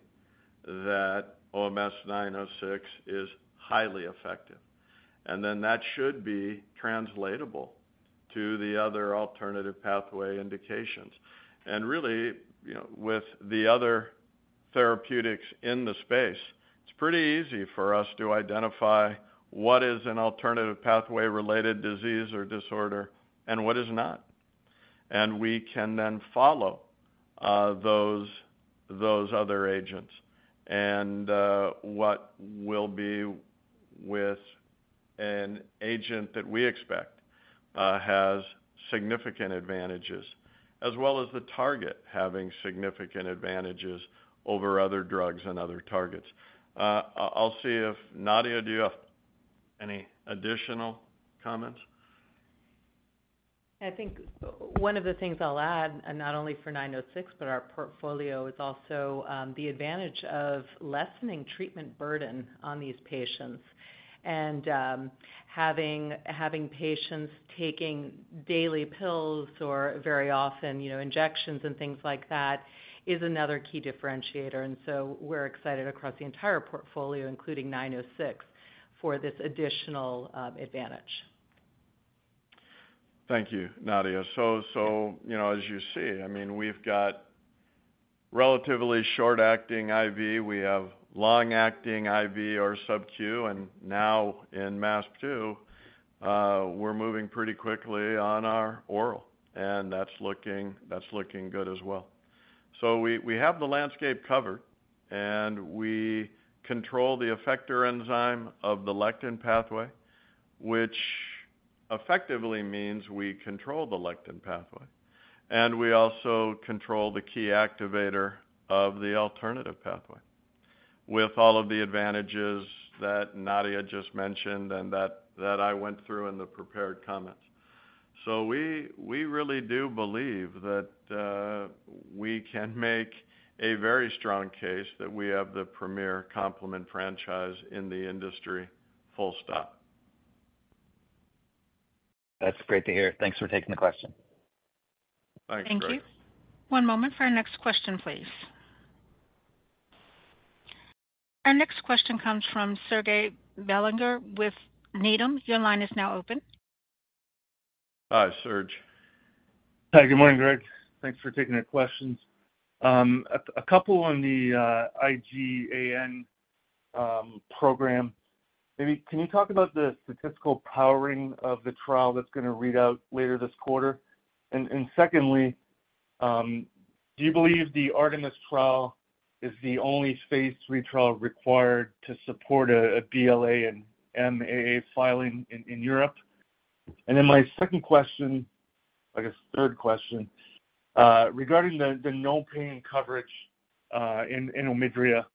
S3: that OMS906 is highly effective, and then that should be translatable to the other alternative pathway indications. Really, you know, with the other therapeutics in the space, it's pretty easy for us to identify what is an alternative pathway related disease or disorder and what is not. We can then follow those, those other agents and what will be with an agent that we expect has significant advantages as well as the target having significant advantages over other drugs and other targets. I'll see if Nadia, do you have any additional comments?
S9: I think one of the things I'll add, and not only for OMS906, but our portfolio, is also, the advantage of lessening treatment burden on these patients. Having, having patients taking daily pills or very often, you know, injections and things like that, is another key differentiator. We're excited across the entire portfolio, including OMS906, for this additional, advantage.
S3: Thank you, Nadia. You know, as you see, I mean, we've got relatively short-acting IV. We have long-acting IV or sub Q, and now in MASP-2, we're moving pretty quickly on our oral, and that's looking, that's looking good as well. We, we have the landscape covered, and we control the effector enzyme of the lectin pathway, which effectively means we control the lectin pathway, and we also control the key activator of the alternative pathway, with all of the advantages that Nadia just mentioned and that, that I went through in the prepared comments. We, we really do believe that, we can make a very strong case that we have the premier complement franchise in the industry. Full stop.
S8: That's great to hear. Thanks for taking the question.
S3: Thanks, Greg.
S1: Thank you. One moment for our next question, please. Our next question comes from Serge Belanger with Needham. Your line is now open.
S3: Hi, Serge.
S10: Hi, good morning, Greg Demopulos. Thanks for taking the questions. A couple on the IgAN program. Maybe can you talk about the statistical powering of the trial that's going to read out later this quarter? Secondly, do you believe the ARTEMIS trial is the only phase III trial required to support a BLA and MAA filing in Europe? My second question, I guess, third question, regarding the no pay coverage in OMIDRIA.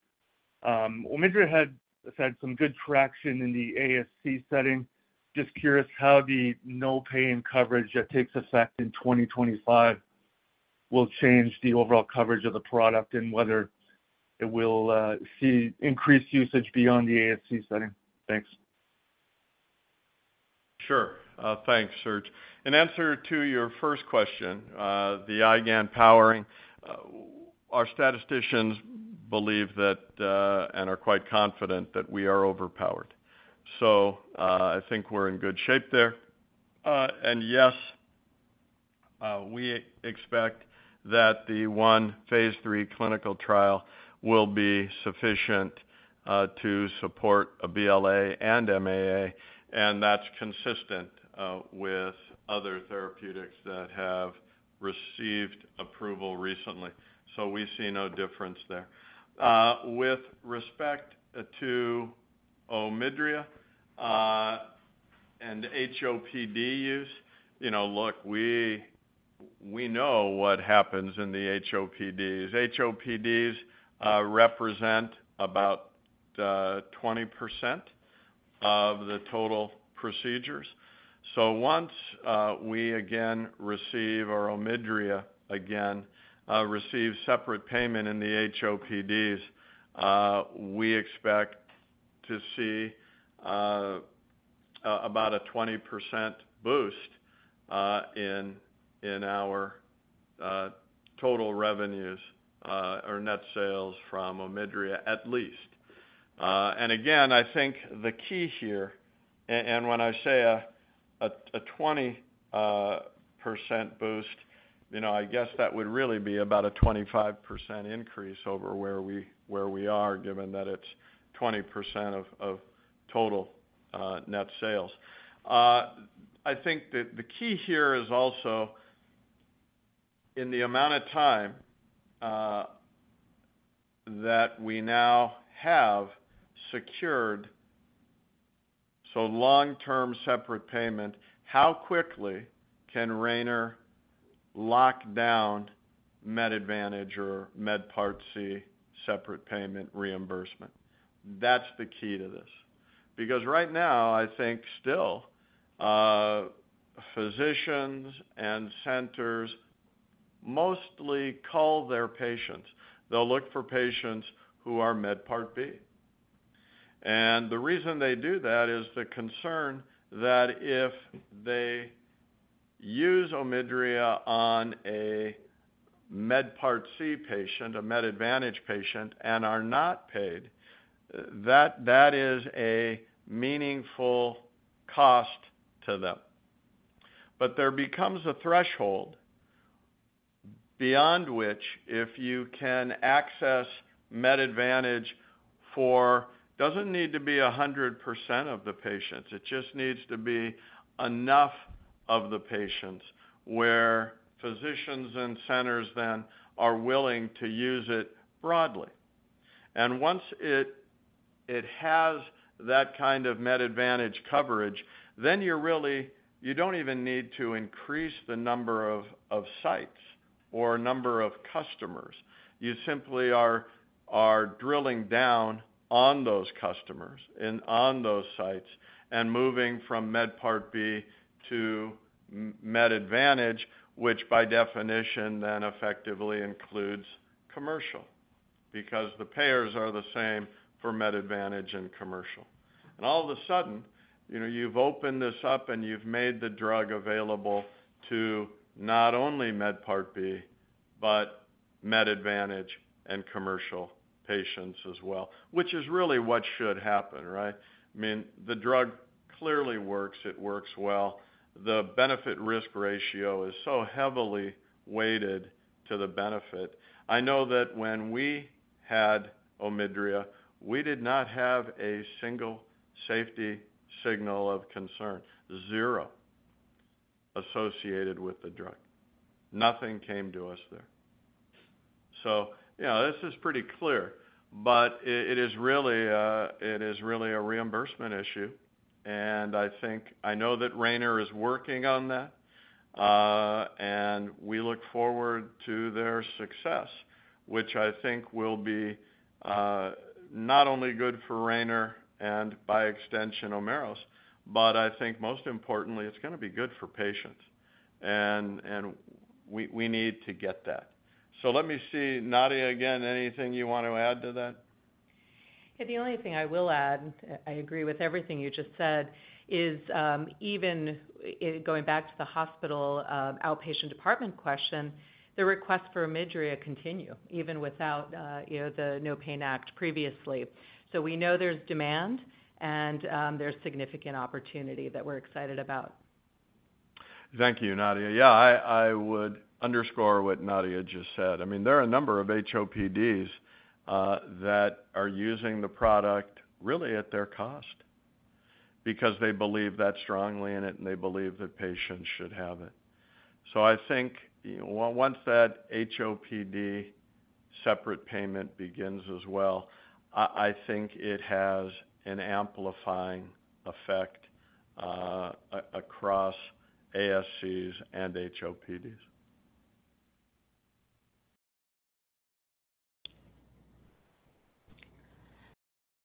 S10: OMIDRIA had had some good traction in the ASC setting. Just curious how the no pay coverage that takes effect in 2025 will change the overall coverage of the product and whether it will see increased usage beyond the ASC setting. Thanks.
S3: Sure. Thanks, Serge. In answer to your first question, the IgAN powering, our statisticians believe that, and are quite confident that we are overpowered. I think we're in good shape there. Yes, we expect that the one phase III clinical trial will be sufficient to support a BLA and MAA, and that's consistent with other therapeutics that have received approval recently. We see no difference there. With respect to OMIDRIA, and HOPD use, you know, look, we, we know what happens in the HOPDs. HOPDs represent about 20% of the total procedures. Once we again receive our OMIDRIA, again, receive separate payment in the HOPDs, we expect to see about a 20% boost in in our total revenues, or net sales from OMIDRIA, at least. And again, I think the key here and when I say a 20% boost, you know, I guess that would really be about a 25% increase over where we, where we are, given that it's 20% of total net sales. I think that the key here is also in the amount of time that we now have secured, so long-term separate payment, how quickly can Rayner lock down Medicare Advantage or Medicare Part C separate payment reimbursement? That's the key to this, because right now, I think still, physicians and centers mostly call their patients. They'll look for patients who are Medicare Part B. The reason they do that is the concern that if they use OMIDRIA on a Medicare Part C patient, a Medicare Advantage patient, and are not paid, that is a meaningful cost to them. There becomes a threshold beyond which if you can access Medicare Advantage for, doesn't need to be 100% of the patients, it just needs to be enough of the patients, where physicians and centers then are willing to use it broadly. Once it has that kind of Medicare Advantage coverage, then you're really you don't even need to increase the number of sites or number of customers. You simply are drilling down on those customers and on those sites and moving from Medicare Part B to Medicare Advantage, which by definition then effectively includes commercial, because the payers are the same for Medicare Advantage and commercial. All of a sudden, you know, you've opened this up and you've made the drug available to not only Medicare Part B, but Medicare Advantage and commercial patients as well, which is really what should happen, right? I mean, the drug clearly works. It works well. The benefit-risk ratio is so heavily weighted to the benefit. I know that when we had OMIDRIA, we did not have a single safety signal of concern, zero, associated with the drug. Nothing came to us there. Yeah, this is pretty clear, but it, it is really a, it is really a reimbursement issue, and I think-- I know that Rayner is working on that, and we look forward to their success, which I think will be not only good for Rayner and by extension, Omeros, but I think most importantly, it's gonna be good for patients, and, and we, we need to get that. Let me see, Nadia, again, anything you want to add to that?
S9: The only thing I will add, I agree with everything you just said, is, even going back to the hospital outpatient department question, the request for OMIDRIA continue even without, you know, the NOPAIN Act previously. We know there's demand and there's significant opportunity that we're excited about.
S3: Thank you, Nadia. Yeah, I, I would underscore what Nadia just said. I mean, there are a number of HOPDs that are using the product really at their cost because they believe that strongly in it, and they believe that patients should have it. I think, well, once that HOPD separate payment begins as well, I, I think it has an amplifying effect across ASCs and HOPDs.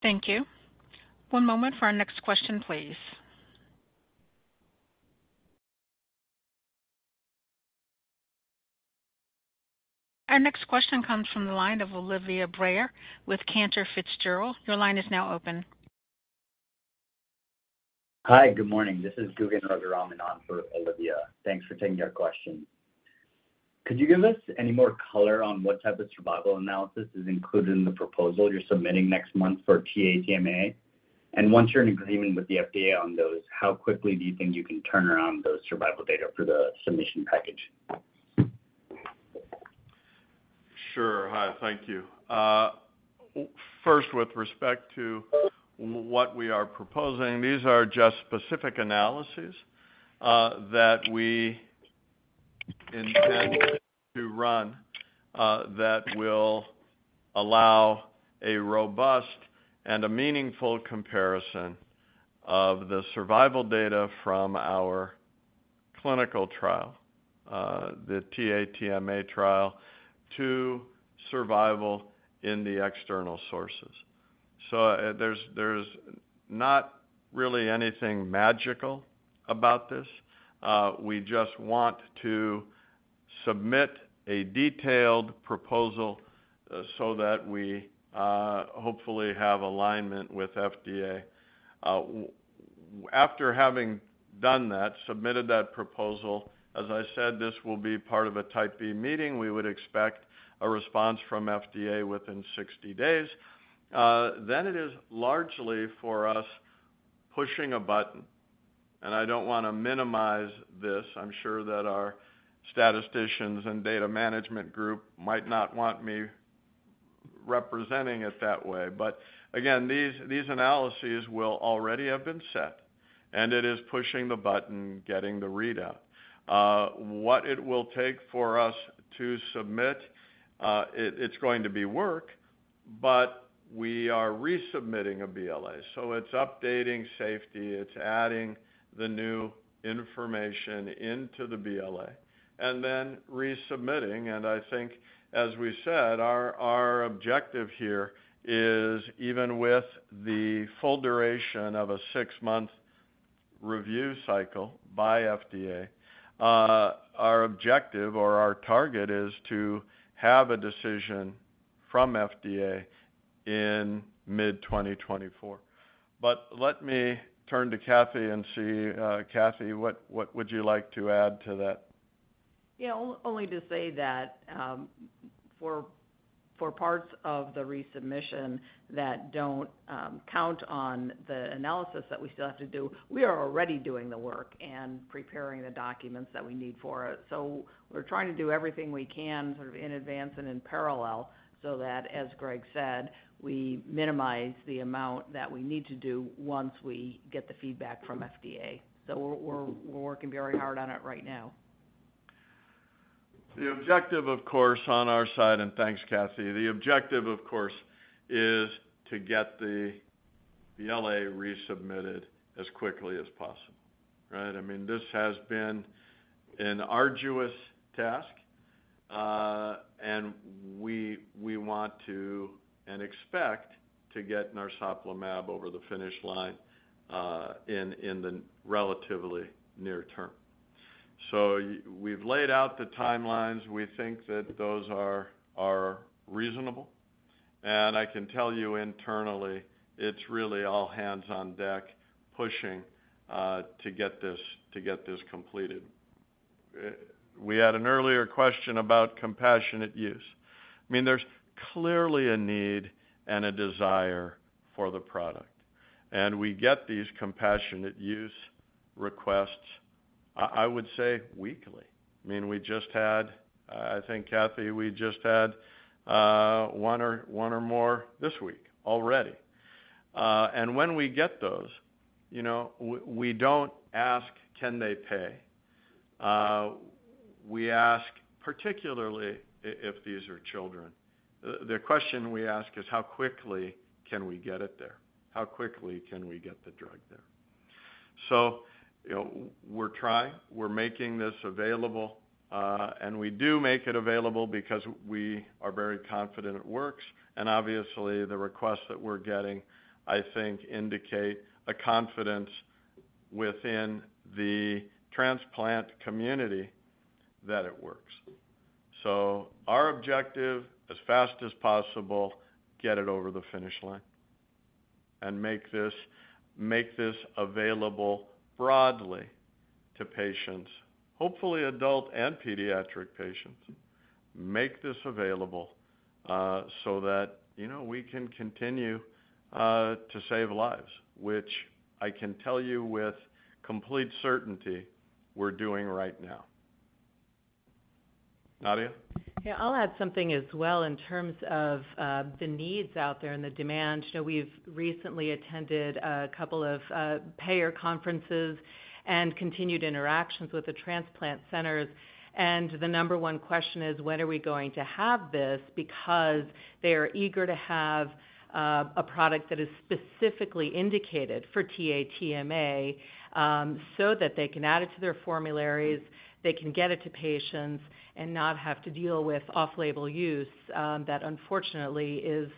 S1: Thank you. One moment for our next question, please. Our next question comes from the line of Olivia Brayer with Cantor Fitzgerald. Your line is now open.
S11: Hi, good morning. This is Gugganig Raghunathan for Olivia. Thanks for taking our question. Could you give us any more color on what type of survival analysis is included in the proposal you're submitting next month for TA-TMA? And once you're in agreement with the FDA on those, how quickly do you think you can turn around those survival data for the submission package?
S3: Sure. Hi, thank you. First, with respect to what we are proposing, these are just specific analyses that we intend to run that will allow a robust and a meaningful comparison of the survival data from our clinical trial, the TA-TMA trial, to survival in the external sources. There's not really anything magical about this. We just want to submit a detailed proposal so that we hopefully have alignment with FDA. After having done that, submitted that proposal, as I said, this will be part of a Type B meeting. We would expect a response from FDA within 60 days. It is largely for us, pushing a button. I don't want to minimize this. I'm sure that our statisticians and data management group might not want me representing it that way. Again, these, these analyses will already have been set, and it is pushing the button, getting the readout. What it will take for us to submit, it, it's going to be work, but we are resubmitting a BLA. It's updating safety, it's adding the new information into the BLA, and then resubmitting. I think, as we said, our, our objective here is even with the full duration of a six-month review cycle by FDA, our objective or our target is to have a decision from FDA in mid-2024. Let me turn to Cathy and see, Cathy, what, what would you like to add to that?
S6: Yeah, only to say that, for, for parts of the resubmission that don't, count on the analysis that we still have to do, we are already doing the work and preparing the documents that we need for it. We're trying to do everything we can sort of in advance and in parallel, that, as Greg said, we minimize the amount that we need to do once we get the feedback from FDA. We're, we're, we're working very hard on it right now.
S3: The objective, of course, on our side, thanks, Cathy. The objective, of course, is to get the BLA resubmitted as quickly as possible, right? I mean, this has been an arduous task, and we, we want to, and expect to get narsoplimab over the finish line in the relatively near term. We've laid out the timelines. We think that those are reasonable. I can tell you internally, it's really all hands on deck, pushing to get this completed. We had an earlier question about compassionate use. I mean, there's clearly a need and a desire for the product, and we get these compassionate use requests, I would say weekly. I mean, we just had, I think, Cathy, we just had one or more this week already. And when we get those, you know, w- we don't ask, "Can they pay?" We ask, particularly i- if these are children, the, the question we ask is: How quickly can we get it there? How quickly can we get the drug there? You know, w- we're trying. We're making this available, and we do make it available because we are very confident it works. Obviously, the requests that we're getting, I think, indicate a confidence within the transplant community that it works. Our objective, as fast as possible, get it over the finish line and make this, make this available broadly to patients, hopefully adult and pediatric patients. Make this available, so that, you know, we can continue to save lives, which I can tell you with complete certainty we're doing right now. Nadia?
S9: Yeah, I'll add something as well in terms of the needs out there and the demand. You know, we've recently attended a couple of payer conferences and continued interactions with the transplant centers. The number one question is, when are we going to have this? Because they are eager to have a product that is specifically indicated for TA-TMA, so that they can add it to their formularies, they can get it to patients, and not have to deal with off-label use, that unfortunately is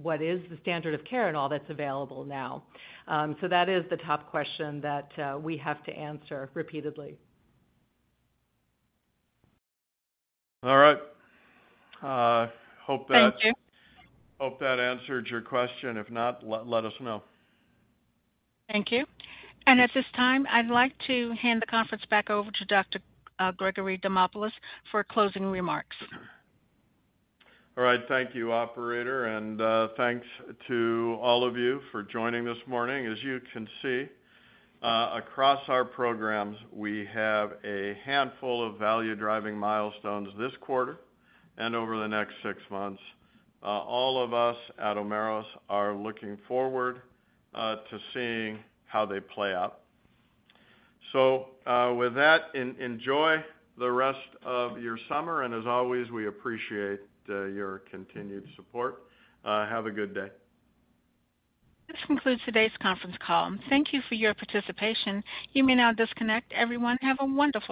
S9: what is the standard of care and all that's available now. That is the top question that we have to answer repeatedly.
S3: All right. hope that-
S1: Thank you.
S3: Hope that answered your question. If not, let, let us know.
S1: Thank you. At this time, I'd like to hand the conference back over to Dr. Gregory Demopulos for closing remarks.
S3: All right. Thank you, operator, thanks to all of you for joining this morning. As you can see, across our programs, we have a handful of value-driving milestones this quarter and over the next six months. All of us at Omeros are looking forward to seeing how they play out. With that, enjoy the rest of your summer, as always, we appreciate your continued support. Have a good day.
S1: This concludes today's conference call. Thank you for your participation. You may now disconnect. Everyone, have a wonderful day.